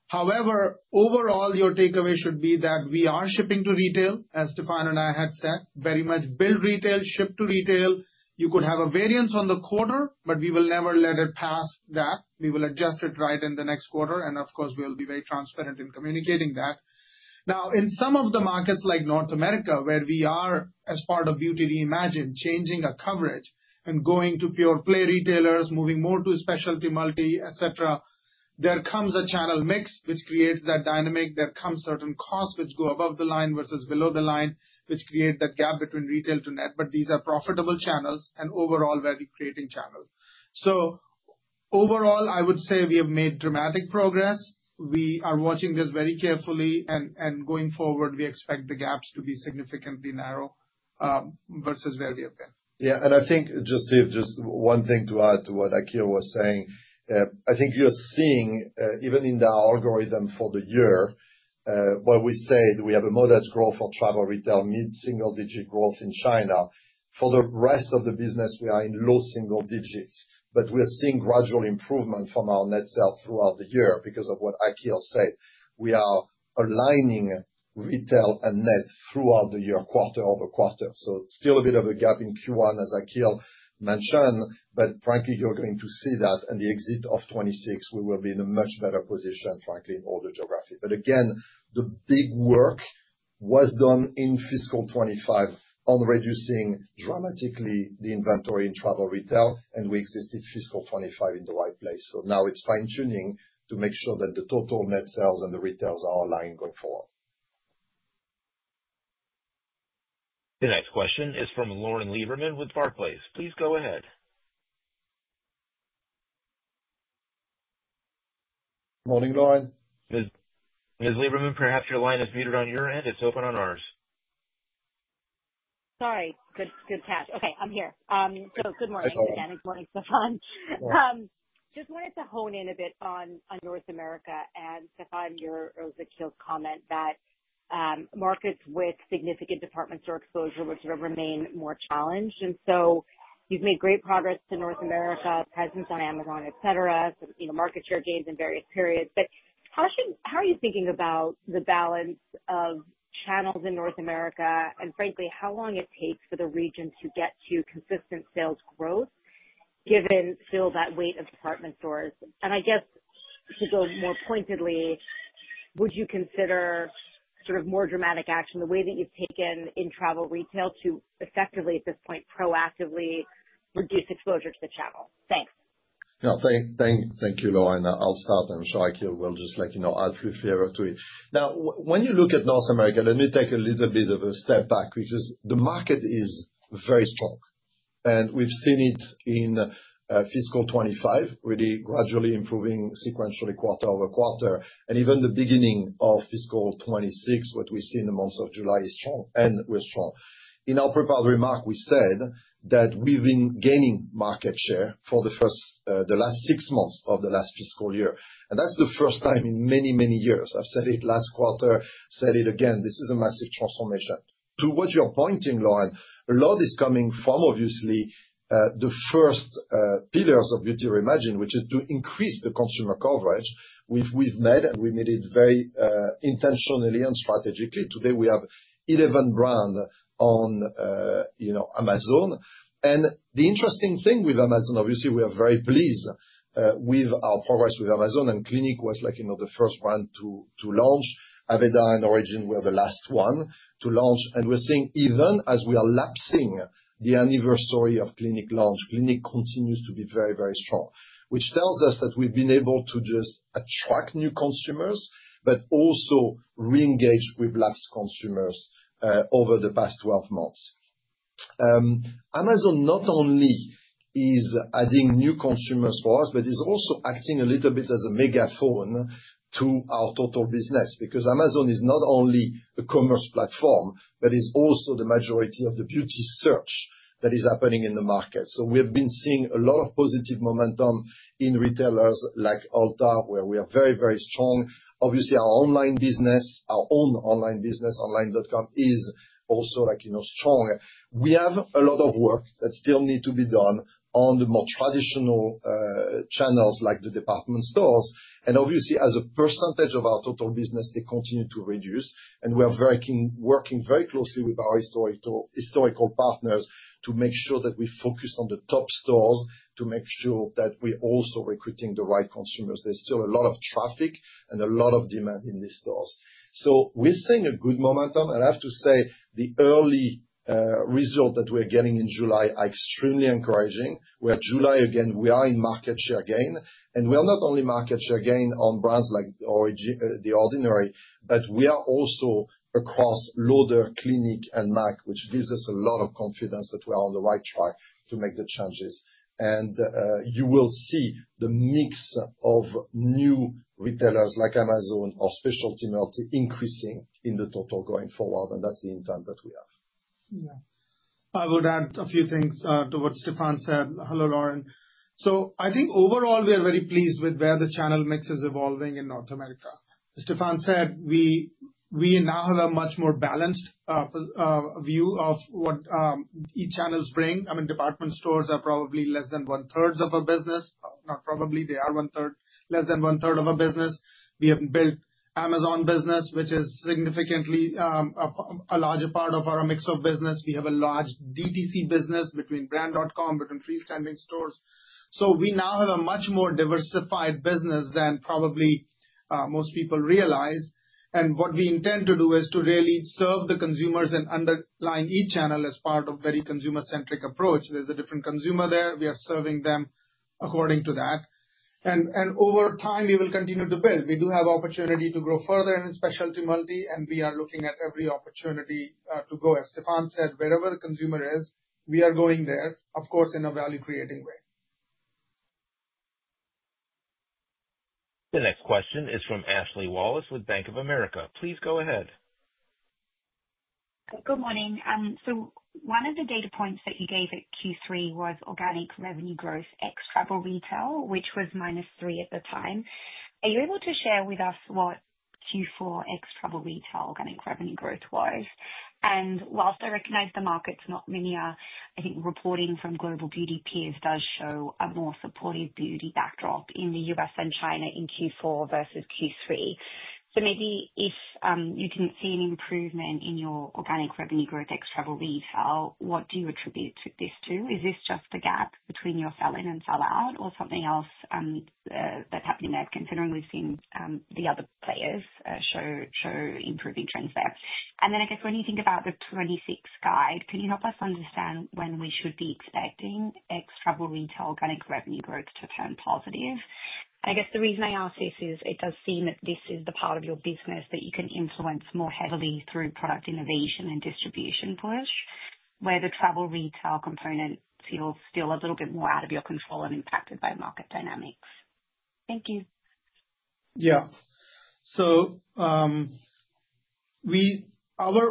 However, overall your takeaway should be that we are shipping to retail. As Stéphane and I had said, we very much build retail, ship to retail. You could have a variance on the quarter, but we will never let it pass that we will adjust it right in the next quarter and of course we'll be very transparent in communicating that. In some of the markets like North America where we are as part of Beauty Reimagined changing a coverage and going to pure play retailers, moving more to specialty, multi, etc. There comes a channel mix which creates that dynamic. There come certain costs which go above the line versus below the line, which create that gap between retail to net. These are profitable channels and overall value-creating channels. I would say we have made dramatic progress. We are watching this very carefully and going forward we expect the gaps to be significantly narrow versus where we have been. Yeah, and I think just one thing to add to what Akhil was saying. I think you're seeing even in the algorithm for the year what we say that we have a modest growth for travel retail, mid single digit growth in China. For the rest of the business we are in low single digits. We're seeing gradual improvement from our net sales throughout the year because of what Akhil said, we are aligning retail and net throughout the year quarter-over-quarter. There is still a bit of a gap in Q1 as Akhil mentioned, but frankly you're going to see that and the exit of 2026, we will be in a much better position, frankly all time. The big work was done in fiscal 2025 on reducing dramatically the inventory in travel retail and we exited fiscal 2025 in the right place. Now it's fine tuning to make sure that the total net sales and the retails are aligned going forward. The next question is from Lauren Lieberman with Barclays. Please go ahead. Morning Lauren. Ms. Lieberman, perhaps your line is muted on your end. It's open on ours. Sorry. Good cash. Okay, I'm here. Good morning, Stéphane. Just wanted to hone in a bit on North America. Stéphane, your comment that markets with significant department store exposure would sort of remain more challenged. You've made great progress to North America presence on Amazon, etc., you know, market share gains in various periods. Tasha, how are you thinking about the balance of channels in North America and frankly how long it takes for the region to get to consistent sales growth given still that weight of department stores. I guess to go more pointedly, would you consider sort of more dramatic action, the way that you've taken in travel retail to effectively at this point proactively reduce exposure to the channel. Thanks. Thank you, Lauren. I'll start. I'm sure Akhil will just, like, you know, add to it. Now, when you look at North America, let me take a little bit of a step back because the market is very strong and we've seen it in fiscal 2025 really gradually improving sequentially quarter-over-quarter and even the beginning of fiscal 2026. What we see in the month of July is strong and we're strong. In our prepared remark, we said that we've been gaining market share for the first, the last six months of the last fiscal year. That's the first time in many, many years I've said it. Last quarter, said it again. This is a massive transformation to what you're pointing, Lauren. A lot is coming from obviously the first pillars of Beauty Reimagined, which is to increase the consumer coverage which we've made. We made it very intentionally and strategically. Today we have 11 brands on Amazon. The interesting thing with Amazon, obviously we are very pleased with our progress with Amazon and Clinique was, like, you know, the first brand to launch, Aveda and Origins were the last ones to launch. We're seeing even as we are lapsing the anniversary of Clinique launch, Clinique continues to be very, very strong, which tells us that we've been able to not just attract new consumers, but also re-engage with lapsed consumers over the past 12 months. Amazon not only is adding new consumers for us, but is also acting a little bit as a megaphone to our total business because Amazon is not only a commerce platform, but is also the majority of the beauty search that is happening in the market. We have been seeing a lot of positive momentum in retailers like Ulta where we are very, very strong. Obviously our online business, our own online business, online dot com, is also, like, you know, strong. We have a lot of work that still needs to be done on the more traditional channels like the department stores. Obviously, as a percentage of our total business, they continue to reduce. We are working very closely with our historical partners to make sure that we focus on the top stores to make sure that we are also recruiting the right consumers. There's still a lot of traffic and a lot of demand in the stores. We're seeing a good momentum and I have to say the early results that we're getting in July are extremely encouraging. We are, July again, we are in market share gain and we are not only market share gain on brands like The Ordinary, but we are also across Lauder, Clinique, and M.A.C, which gives us a lot of confidence that we are on the right track to make the changes. You will see the mix of new retailers like Amazon or specialty multi increasing in the total going forward. That's the intent that we have. Yeah. I would add a few things to what Stéphane said. Hello Lauren. I think overall we are very pleased with where the channel mix is evolving in North America. Stéphane said we now have a much more balanced view of what each channel brings. I mean department stores are probably less than 1/3 of our business. Probably they are 1/3, less than 1/3 of our business. We have built Amazon business, which is significantly a larger part of our mix of business. We have a large DTC business between brand dot com, between freestanding stores. We now have a much more diversified business than probably most people realize. What we intend to do is to really serve the consumers and underlying each channel as part of a very consumer-centric approach. There's a different consumer there. We are serving them according to that and over time we will continue to build. We do have opportunity to grow further in specialty multi and we are looking at every opportunity to go, as Stéphane said, wherever the consumer is, we are going there, of course, in a value-creating way. The next question is from Ashley Wallace with Bank of America. Please go ahead. Good morning. One of the data points that you gave at Q3 was organic revenue growth ex travel retail, which was -3% at the time. Are you able to share with us what Q4 ex travel retail organic revenue growth was? Whilst I recognize the market's not linear, I think reporting from global beauty peers does show a more supportive beauty backdrop in the U.S. and China in Q4 versus Q3. Maybe if you didn't see an improvement in your organic revenue growth ex travel retail, what do you attribute this to? Is this just a gap between your sell-in and sell-out or something else that's happening there? Considering we've seen the other players show improving trends there, when you think about the 2026 guide, can you help us understand when we should be expecting ex travel retail organic revenue growth to turn positive? The reason I ask this is it does seem that this is the part of your business that you can influence more heavily through product innovation and distribution, whereas the travel retail component feels still a little bit more out of your control and impacted by market dynamics. Thank you. Yeah, so our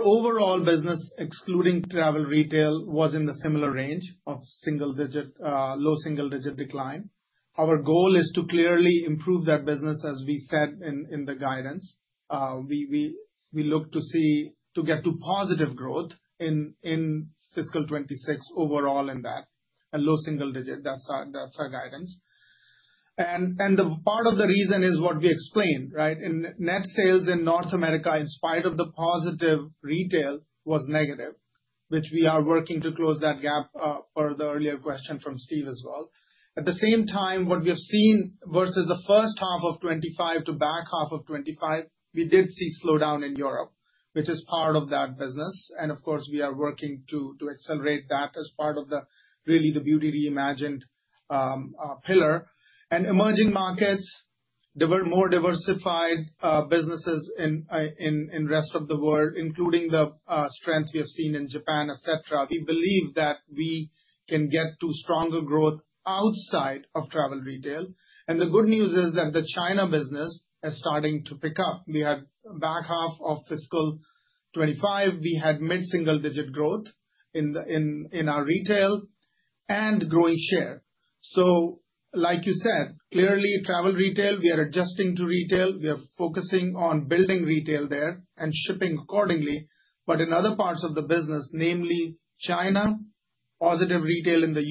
overall business excluding travel retail was in the similar range of single digit, low single digit decline. Our goal is to clearly improve that business. As we said in the guidance, we look to get to positive growth in fiscal 2026 overall in that and low single digit. That's our guidance. Part of the reason is what we explained. Net sales in North America, in spite of the positive retail, was negative, which we are working to close that gap for the earlier question from Steve as well. At the same time, what we have seen versus the first half of 2025 to back half of 2025, we did see slowdown in Europe, which is part of that business. Of course, we are working to accelerate that as part of the Beauty Reimagined pillar and emerging markets, more diversified businesses in rest of the world, including the strength we have seen in Japan, etc. We believe that we can get to stronger growth outside of travel retail. The good news is that the China business is starting to pick up. We had back half of fiscal 2025, we had mid single digit growth in our retail and growing share. Like you said, clearly travel retail, we are adjusting to retail. We are focusing on building retail there and shipping accordingly. In other parts of the business, namely China, positive retail in the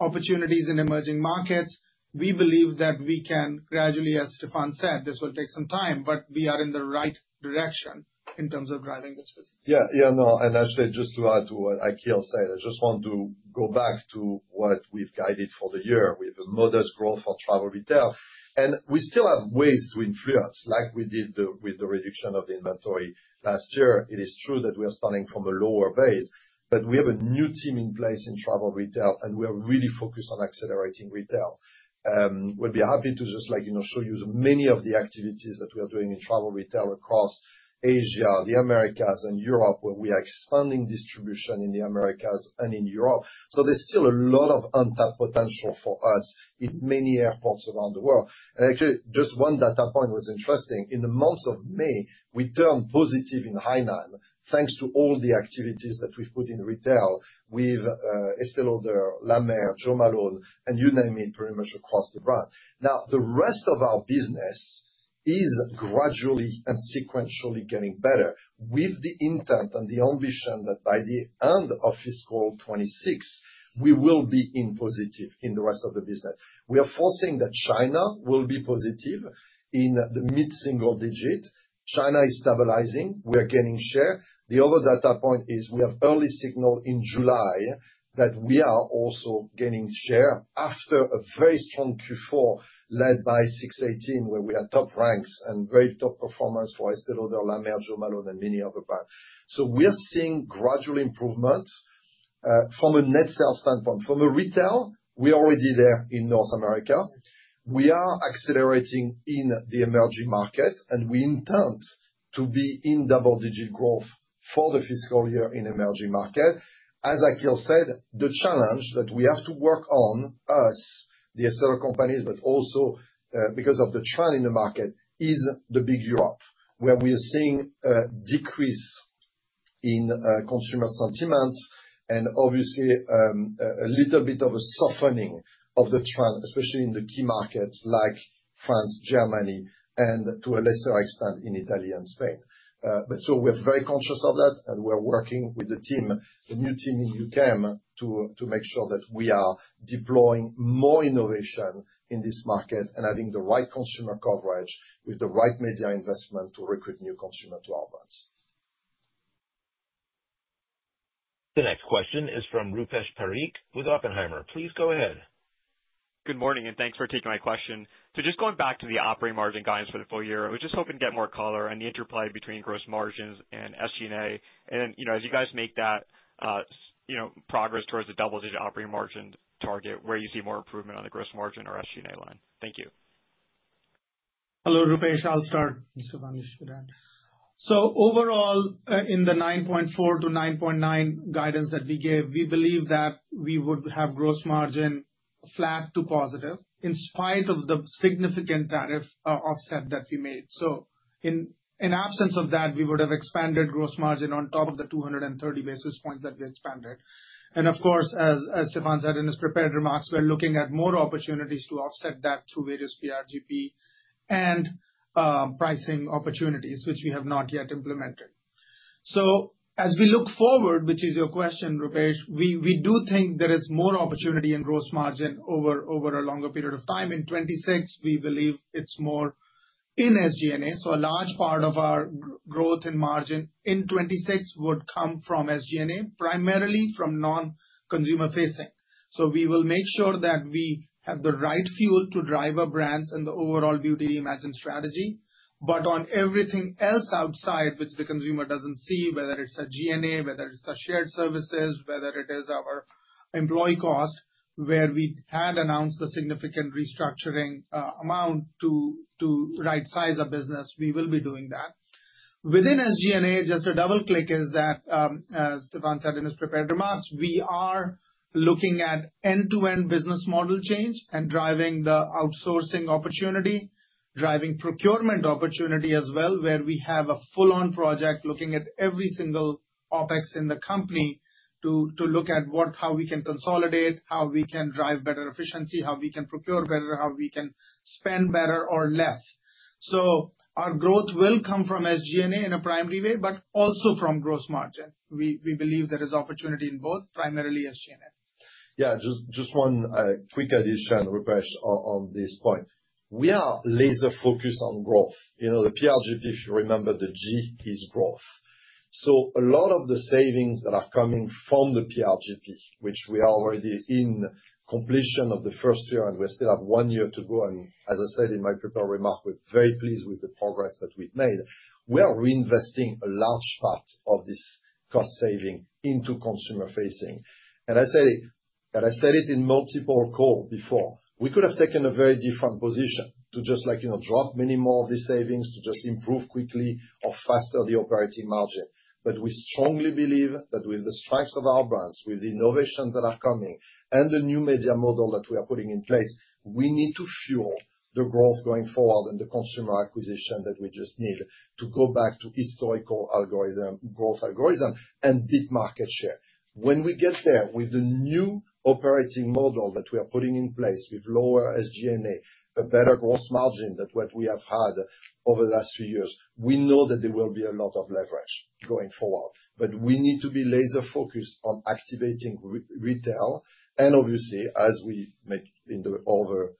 U.S., opportunities in emerging markets, we believe that we can gradually, as Stéphane said, this will take some time but we are in the right direction in terms of driving this business. No, and actually just to add to what Akhil said, I just want to go back to what we've guided for the year. We have a modest growth for travel retail and we still have ways to influence like we did with the reduction of the inventory last year. It is true that we are starting from a lower base, but we have a new team in place in travel retail and we are really focused on accelerating retail. We'll be happy to just show you many of the activities that we are doing in travel retail across Asia, the Americas, and Europe where we are expanding distribution in the Americas and in Europe. There is still a lot of untapped potential for us in many airports around the world. Actually, just one data point was interesting. In the month of May, we turned positive in Hainan thanks to all the activities that we've put in retail with Estée Lauder, La Mer, Jo Malone, and you name it, pretty much across the brand. Now the rest of our business is gradually and sequentially getting better with the intent and the ambition that by the end of fiscal 2026 we will be in positive in the rest of the business. We are forecasting that China will be positive in the mid single digit. China is stabilizing. We are gaining share. The other data point is we have early signal in July that we are also gaining share after a very strong Q4 led by 618 where we are top ranks and very top performance for Estée Lauder, La Mer, Jo Malone, and many other brands. We are seeing gradual improvements from a net sales standpoint. From a retail, we are already there in North America. We are accelerating in the emerging market and we intend to be in double digit growth for the fiscal year in emerging market. As Akhil said, the challenge that we have to work on as The Estée Lauder Companies, but also because of the trend in the market, is the big Europe where we are seeing a decrease in consumer sentiment and obviously a little bit of a softening of the trend, especially in the key markets like France, Germany, and to a lesser extent in Italy and Spain. We are very conscious of that and we're working with the team, the new team in the U.K., to make sure that we are deploying more innovation in this market and adding the right consumer coverage with the right media investment to recruit new consumer to our brands. The next question is from Rupesh Parikh with Oppenheimer. Please go ahead. Good morning and thanks for taking my question. Just going back to the operating margin guidance for the full year, I was just hoping to get more color on the interplay between gross margins and SG&A, and as you guys make that progress towards a double digit operating margin target, where you see more improvement, on the gross margin or SG&A line. Thank you. Hello Rupesh. I'll start. So overall in the $9.4-$9.9 guidance that we gave, we believe that we would have gross margin flat to positive in spite of the significant tariff offset that we made. In absence of that, we would have expanded gross margin on top of the 230 basis points that we expanded. As Stéphane said in his prepared remarks, we're looking at more opportunities to offset that through various PRGP and pricing opportunities which we have not yet implemented. As we look forward, which is your question Rupesh, we do think there is more opportunity in gross margin over a longer period of time. In 2026, we believe it's more in SG&A. A large part of our growth in margin in 2026 would come from SG&A, primarily from non consumer-facing. We will make sure that we have the right fuel to drive our brands and the overall Beauty Reimagined strategy. On everything else outside which the consumer doesn't see, whether it's SG&A, whether it's the shared services, whether it is our employee cost, where we had announced the significant restructuring amount to right size the business, we will be doing that within SG&A. Just a double click is that as Stéphane said in his prepared remarks, we are looking at end-to-end business model change and driving the outsourcing opportunity, driving procurement opportunity as well where we have a full-on project looking at every single OpEx in the company to look at how we can consolidate, how we can drive better efficiency, how we can procure better, how we can spend better or less. Our growth will come from SG&A in a primary way but also from gross margin. We believe there is opportunity both, primarily SG&A. Yeah, just one quick addition on this point. We are laser focused on growth. You know the PRGP, if you remember the G is growth. A lot of the savings that are coming from the PRGP, which we are already in completion of the first year and we still have one year to go. As I said in my prepared remark, we're very pleased with the progress that we've made. We are reinvesting a large part of this cost saving into consumer-facing. I said it in multiple calls before, we could have taken a very different position to just, you know, drop many more of these savings to just improve quickly or faster the operating margin. We strongly believe that with the strength of our brands, with the innovations that are coming and the new media model that we are putting in place, we need to fuel the growth going forward and the consumer acquisition that we just need to go back to historical growth algorithm and deep market share. When we get there with the new operating model that we are putting in place with lower SG&A, a better gross margin than what we have had over the last few years, we know that there will be a lot of leverage going forward. We need to be laser focused on activating retail and obviously as we make in the over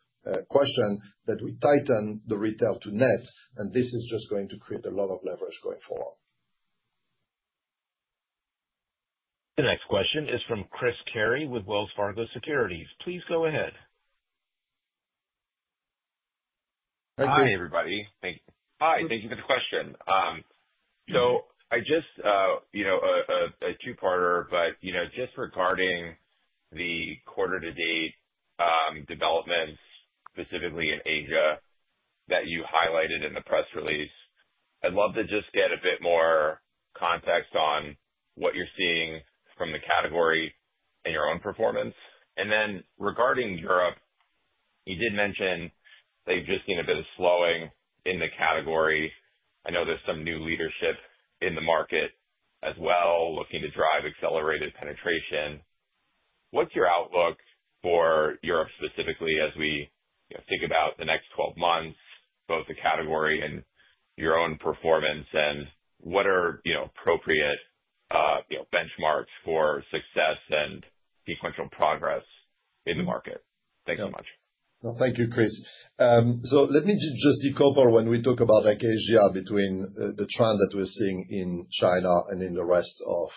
question that we tighten the retail to net and this is just going to create a lot of leverage going forward. The next question is from Chris Carey with Wells Fargo Securities. Please go ahead. Hey everybody, thank you. Hi. Thank you for the question. I just, you know, a two parter, but regarding the quarter to date developments, specifically in Asia that you highlighted in the press release, I'd love to just get a bit more context on what you're seeing from the category and your own performance. Regarding Europe, you did mention they've just seen a bit of slowing in the category. I know there's some new leadership in the market as well, looking to drive accelerated penetration. What's your outlook for Europe specifically as we think about the next 12 months, both the category and your own performance, and what are appropriate benchmarks for success and sequential progress in the market. Thanks so much. Thank you, Chris. Let me just decouple when we talk about Asia, between the trend that we're seeing in China and in the rest of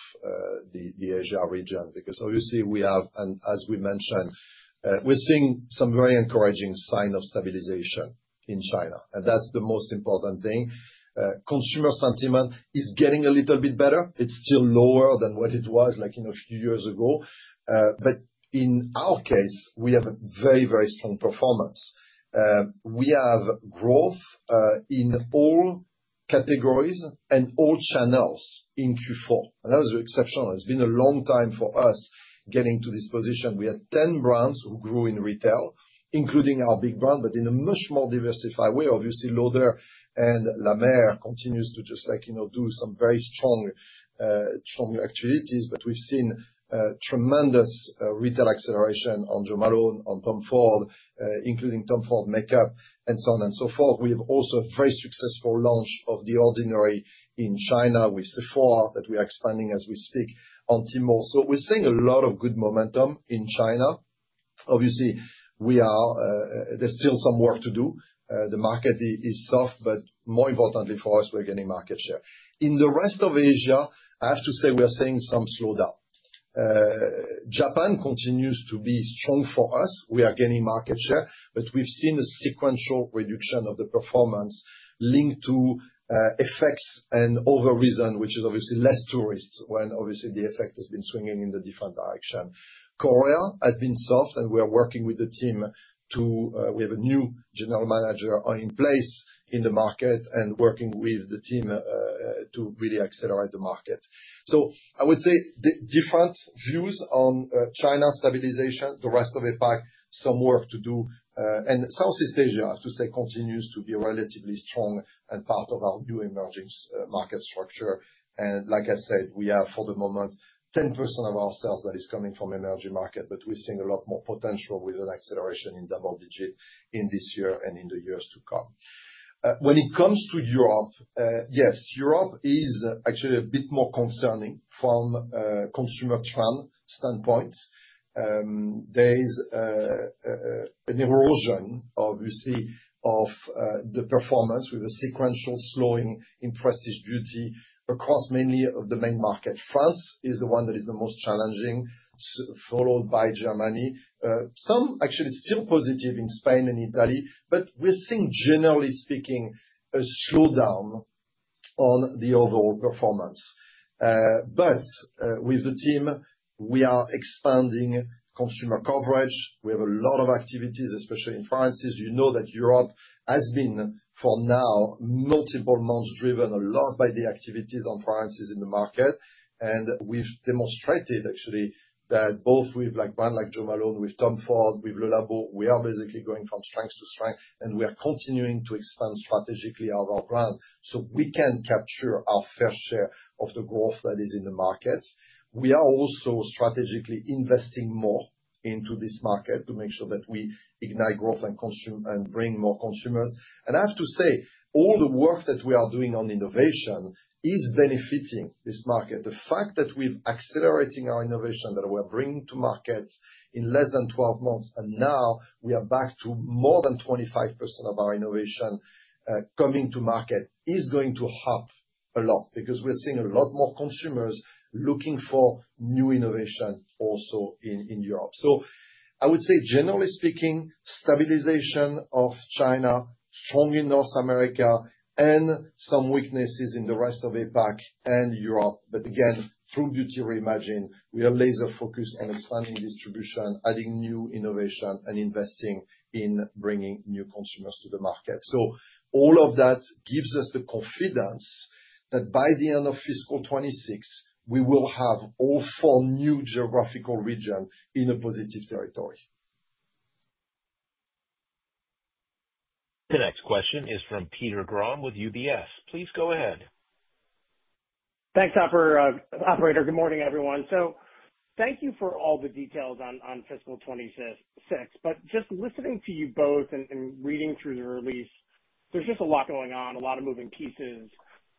the Asia region, because obviously we have, and as we mentioned, we're seeing some very encouraging sign of stabilization in China and that's the most important thing. Consumer sentiment is getting a little bit better. It's still lower than what it was, like, you know, a few years ago. In our case, we have a very, very strong performance. We have growth in all categories and all channels in Q4, and that was exceptional. It's been a long time for us getting to this position. We had 10 brands who grew in retail, including our big brand, but in a much more diversified way. Obviously, Estée Lauder and La Mer continue to just, like, you know, do some very strong, strong actualities. We've seen tremendous retail acceleration on Jo Malone, on Tom Ford, including Tom Ford makeup, and so on and so forth. We have also a very successful launch of The Ordinary in China with Sephora that we are expanding as we speak on Tmall. We're seeing a lot of good momentum in China. Obviously, we are, there's still some work to do. The market is soft, but more importantly for us, we're getting market share. In the rest of Asia, I have to say we are seeing some slowdown. Japan continues to be strong for us. We are gaining market share, but we've seen a sequential reduction of the performance linked to FX and other reasons, which is obviously less tourists when, obviously, the FX has been swinging in the different direction. Korea has been soft, and we are working with the team. We have a new General Manager in place in the market and working with the team to really accelerate the market. I would say different views on China, stabilization, the rest of APAC, some work to do. Southeast Asia, I have to say, continues to be relatively strong and part of our new emerging market structure. Like I said, we have for the moment 10% of our sales that is coming from emerging market. We're seeing a lot more potential with an acceleration in double digit in this year and in the years to come. When it comes to Europe, yes, Europe is actually a bit more concerning from consumer trend standpoint. There is an erosion, obviously, of the performance with a sequential slowing in prestige duty across mainly the main market. France is the one that is the most challenging, followed by Germany. Some actually still positive in Spain and Italy. We're seeing generally speaking a slowdown on the overall performance. With the team, we are expanding consumer coverage. We have a lot of activities, especially in France. You know that Europe has been for now multiple months driven a lot by the activities on France in the market. We've demonstrated actually that both with brands like Jo Malone, with Tom Ford, with Le Labo, we are basically going from strength to strength and we are continuing to expand strategically our brand so we can capture our fair share of the growth that is in the markets. We are also strategically investing more into this market to make sure that we ignite growth and consumer and bring more consumers. I have to say all the work that we are doing on innovation is benefiting this market. The fact that we're accelerating our innovation that we're bringing to markets in less than 12 months and now we are back to more than 25% of our innovation coming to market is going to help a lot because we're seeing a lot more consumers looking for new innovation also in Europe. I would say generally speaking, stabilization of China, strongly in North America and some weaknesses in the rest of APAC and Europe. Through Beauty Reimagined we are laser focused and expanding distribution, adding new innovation and investing in bringing new consumers to the market. All of that gives us the confidence that by the end of fiscal 2026 we will have all four new geographical regions in a positive territory. The next question is from Peter Grom with UBS. Please go ahead. Thanks, operator. Good morning, everyone. Thank you for all the details. On fiscal 2026, just listening to you both and reading through your release, there's just a lot going on. Lot of moving pieces.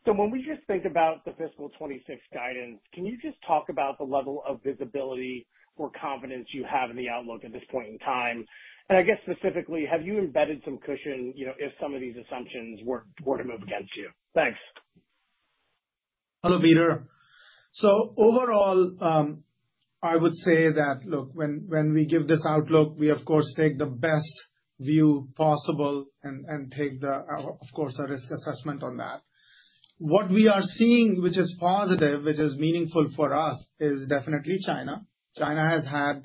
When we just think about the fiscal 2026 guidance, can you just talk about the level of visibility or confidence? You have in the outlook at this point in time, and I guess specifically. Have you embedded some cushion if some of these assumptions were to move against you? Thanks. Hello, Peter. Overall, I would say that when we give this outlook, we of course take the best view possible and take a risk assessment on that. What we are seeing, which is positive, which is meaningful for us, is definitely China. The China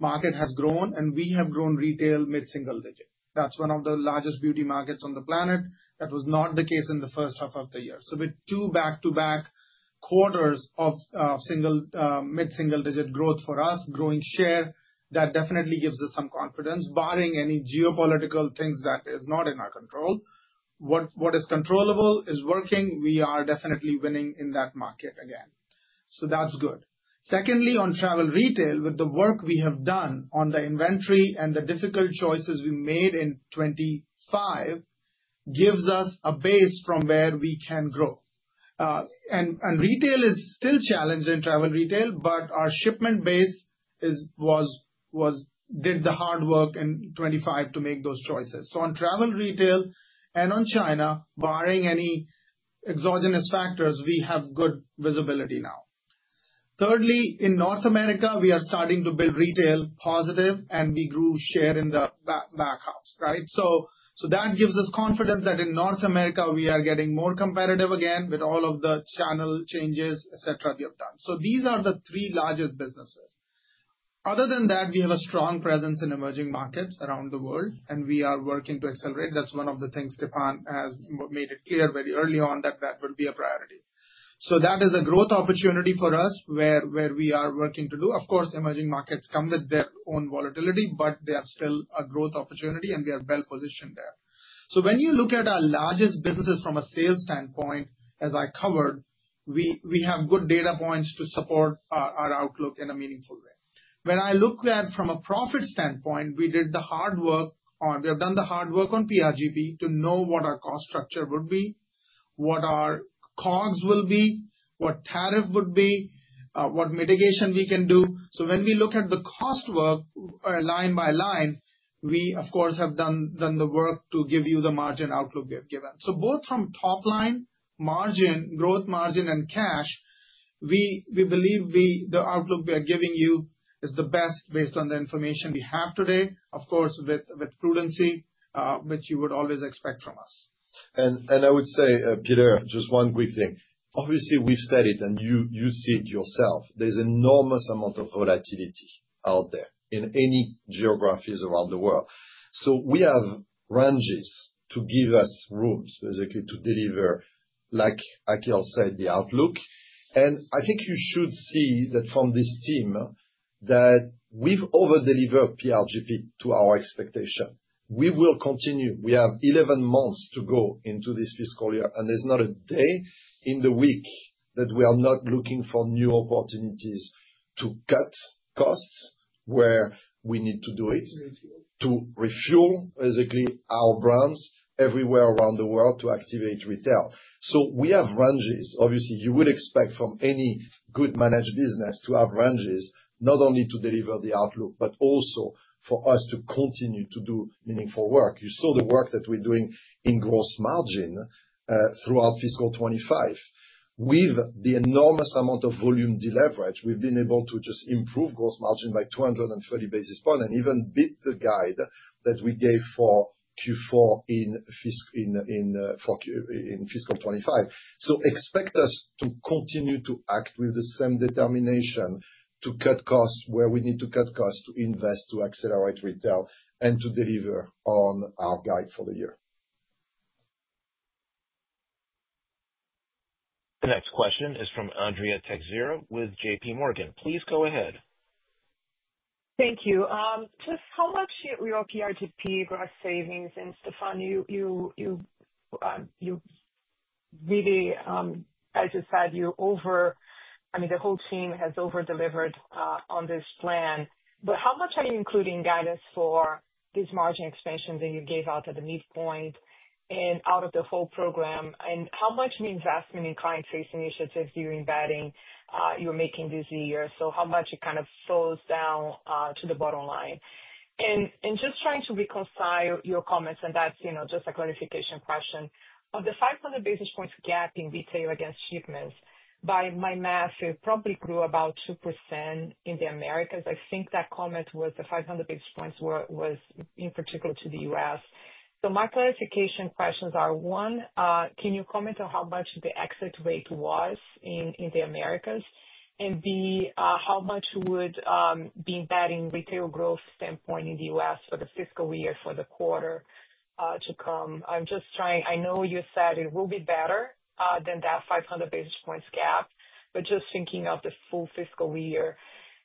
market has grown and we have grown retail mid single digit. That's one of the largest beauty markets on the planet. That was not the case in the first half of the year. Two back-to-back quarters of mid single digit growth for us, growing share. That definitely gives us some confidence barring any geopolitical things that are not in our control. What is controllable is working. We are definitely winning in that market again, that's good. Secondly, on travel retail, with the work we have done on the inventory and the difficult choices we made in 2025, it gives us a base from where we can grow. Retail is still challenged in travel retail, but our shipment base did the hard work in 2025 to make those choices. On travel retail and on China, barring any exogenous factors, we have good visibility now. Thirdly, in North America, we are starting to build retail positive and we grew share in the backups, right? That gives us confidence that in North America we are getting more competitive again with all of the channel changes we have done. These are the three largest businesses. Other than that, we have a strong presence in emerging markets around the world and we are working to accelerate. That's one of the things Stéphane has made clear very early on, that that would be a priority. That is a growth opportunity for us where we are working to do. Of course, emerging markets come with their own volatility, but they are still a growth opportunity and we are well positioned there. When you look at our largest businesses from a sales standpoint, as I covered, we have good data points to support our outlook in a meaningful way. When I look at it from a profit standpoint, we have done the hard work on PRGP to know what our cost structure would be, what our COGS will be, what tariff would be, what mitigation we can do. When we look at the cost work line by line, we have done the work to give you the margin outlook we have given. Both from top line, margin, gross margin and cash, we believe the outlook we are giving you is the best based on the information we have today, with prudency, which you would always expect from us. I would say, Peter, just one quick thing. Obviously we've said it and you see it yourself. There's an enormous amount of volatility out there in any geographies around the world. We have ranges to give us room basically to deliver, like Akhil said, the outlook, and I think you should see that from this team that we've over delivered PRGP to our expectation. We will continue. We have 11 months to go into this fiscal year, and there's not a day in the week that we are not looking for new opportunities to cut costs where we need to do it, to refuel basically our brands everywhere around the world to activate retail. We have ranges. Obviously you would expect from any good managed business to have ranges not only to deliver the outlook but also for us to continue to do meaningful work. You saw the work that we're doing in gross margin throughout fiscal 2025. With the enormous amount of volume deleverage, we've been able to just improve gross margin by 230 basis points and even beat the guide that we gave for Q4 in fiscal 2025. Expect us to continue to act with the same determination to cut costs where we need to cut costs, to invest, to accelerate retail, and to deliver on our guide for the year. The next question is from Andrea Teixeira with JPMorgan. Please go ahead. Thank you. Just how much your PRGP gross savings and Stéphane, you really as you said you over, I mean the whole team has over delivered on this plan. How much are you including in guidance for this margin expansion that you gave out at the midpoint and out of the whole program, and how much new investment in client-facing initiatives are you embedding, you're making this year? How much it kind of slows down to the bottom line, just trying to reconcile your comments, and that's just a clarification question of the 500 basis points gap in retail against shipments. By my math, it probably grew about 2% in the Americas. I think that comment was the 500 basis points was in particular to the U.S., so my clarification questions are: one, can you comment on how much the exit rate was in the Americas, and b, how much would be embedding retail growth standpoint in the U.S. for the fiscal year, for the quarter to come? I'm just trying. I know you said it will be better than that 500 basis points gap, just thinking of the full fiscal year,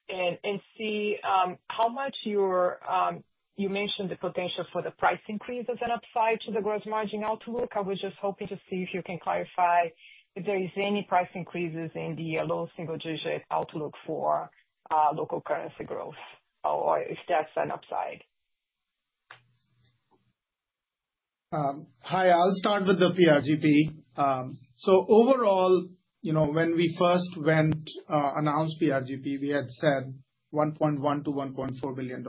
and see how much you mentioned the potential for the price increases and upside to the gross margin outlook. I was just hoping to see if you can clarify if there is any price increases in the low single digit outlook for local currency growth or if that's an upside. Hi, I'll start with the PRGP. Overall, you know, when we first announced PRGP, we had said $1.1 billion-$1.4 billion.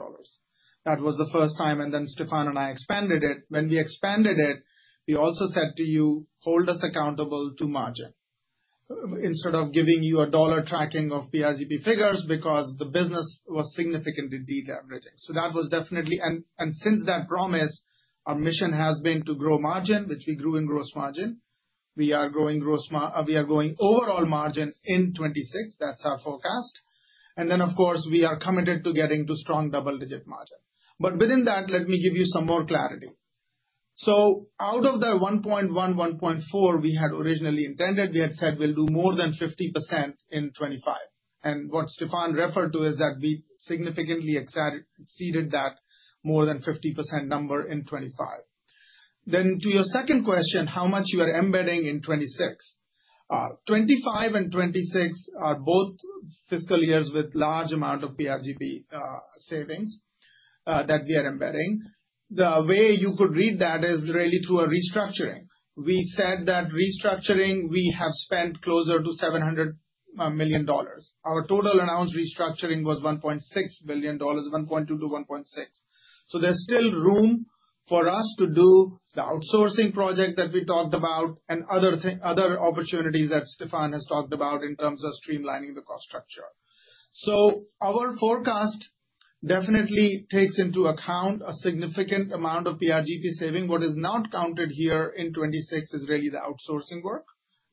That was the first time. Stéphane and I expanded it. When we expanded it, we also said to you, hold us accountable to margin instead of giving you a dollar tracking of PRGP figures because the business was significantly deleveraging. That was definitely. Since that promise, our mission has been to grow margin, which we grew in gross margin. We are growing gross. We are growing overall margin in 2026. That's our forecast. Of course, we are committed to getting to strong double-digit margin. Within that, let me give you some more clarity. Out of the $1.1 billion-$1.4 billion we had originally intended, we had said we'll do more than 50% in 2025. What Stéphane referred to is that we significantly exceeded that more than 50% number in 2025. To your second question, how much you are embedding in 2026? 2025 and 2026 are both fiscal years with large amounts of PRGP savings that we are embedding. The way you could read that is really through a restructuring. We said that restructuring. We have spent closer to $700 million. Our total announced restructuring was $1.6 billion, $1.2 billion-$1.6 billion. There's still room for us to do the outsourcing project that we talked about and other opportunities that Stéphane has talked about in terms of streamlining the cost structure. Our forecast definitely takes into account a significant amount of PRGP saving. What is not counted here in 2026 is really the outsourcing work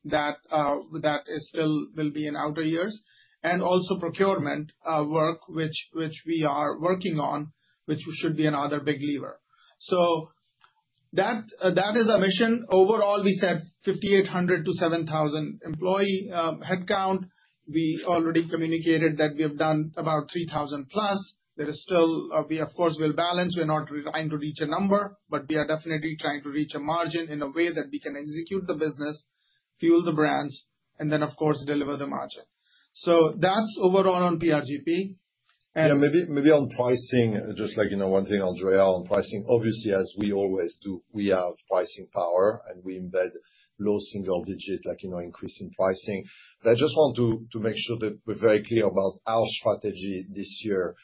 that will be in outer years and also procurement work, which we are working on, which should be another big lever. That is our mission overall. We said 5,800-7,000 employee headcount. We already communicated that we have done about 3,000+. We of course will balance. We're not trying to reach a number, but we are definitely trying to reach a margin in a way that we can execute the business, fuel the brands, and then of course deliver the margin. That's overall on PRGP. And maybe on pricing. One thing I'll draw on pricing, obviously, as we always do, we have pricing power and we embed low single digit, like, you know, increasing pricing. I just want to make sure that we're very clear about our strategy this year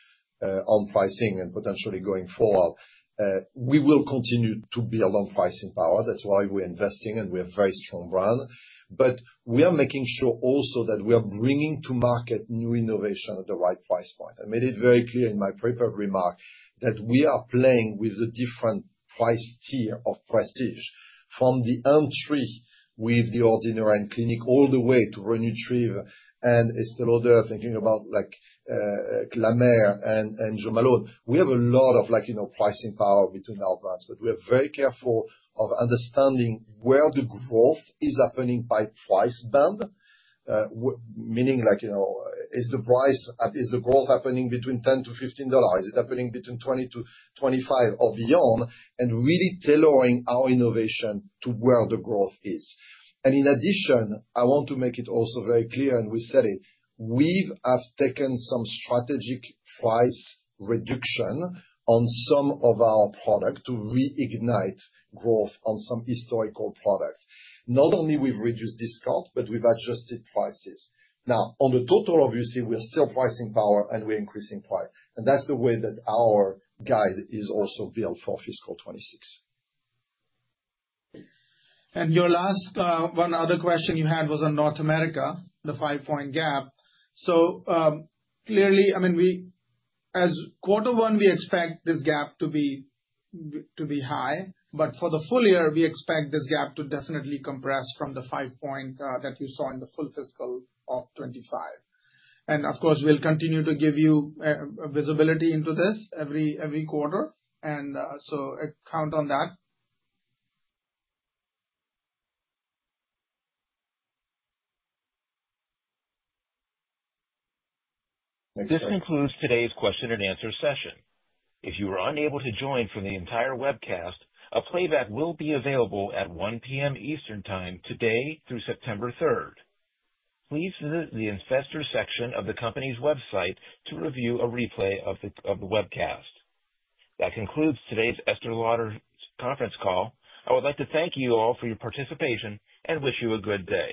on pricing. Potentially going forward we will continue to build on pricing power. That's why we're investing. We have very strong brand, but we are making sure also that we are bringing to market new innovation at the right price point. I made it very clear in my prepared remark that we are playing with the different price tier of prestige from the entry with The Ordinary and Clinique all the way to Re-Nutriv and Estée Lauder. Thinking about La Mer and Jo Malone, we have a lot of, like, you know, pricing power between our brands, but we are very careful of understanding where the growth is happening by price band. Meaning, like, you know, is the growth happening between $10-$15, is it happening between $20-$25 or beyond, and really tailoring our innovation to where the growth is. In addition, I want to make it also very clear, and we said it, we have taken some strategic price reduction on some of our product to reignite growth on some historical product. Not only have we reduced discount, but we've adjusted prices now on the total. Obviously, we're still pricing power and we're increasing price and that's the way that our guide is also built for fiscal 2026. Your last question you had was on North America, the 5% gap. Clearly, as quarter one, we expect this gap to be high, but for the full year we expect this gap to definitely compress from the 5% that you saw in the full fiscal 2025. Of course, we'll continue to give you visibility into this every quarter, so count on that. This concludes today's question and answer session. If you are unable to join for the entire webcast, a playback will be available at 1:00 P.M. Eastern Time today through September 3rd. Please visit the investor section of the company's website to review a replay of the webcast. That concludes today's Estée Lauder conference call. I would like to thank you all for your participation and wish you a good day.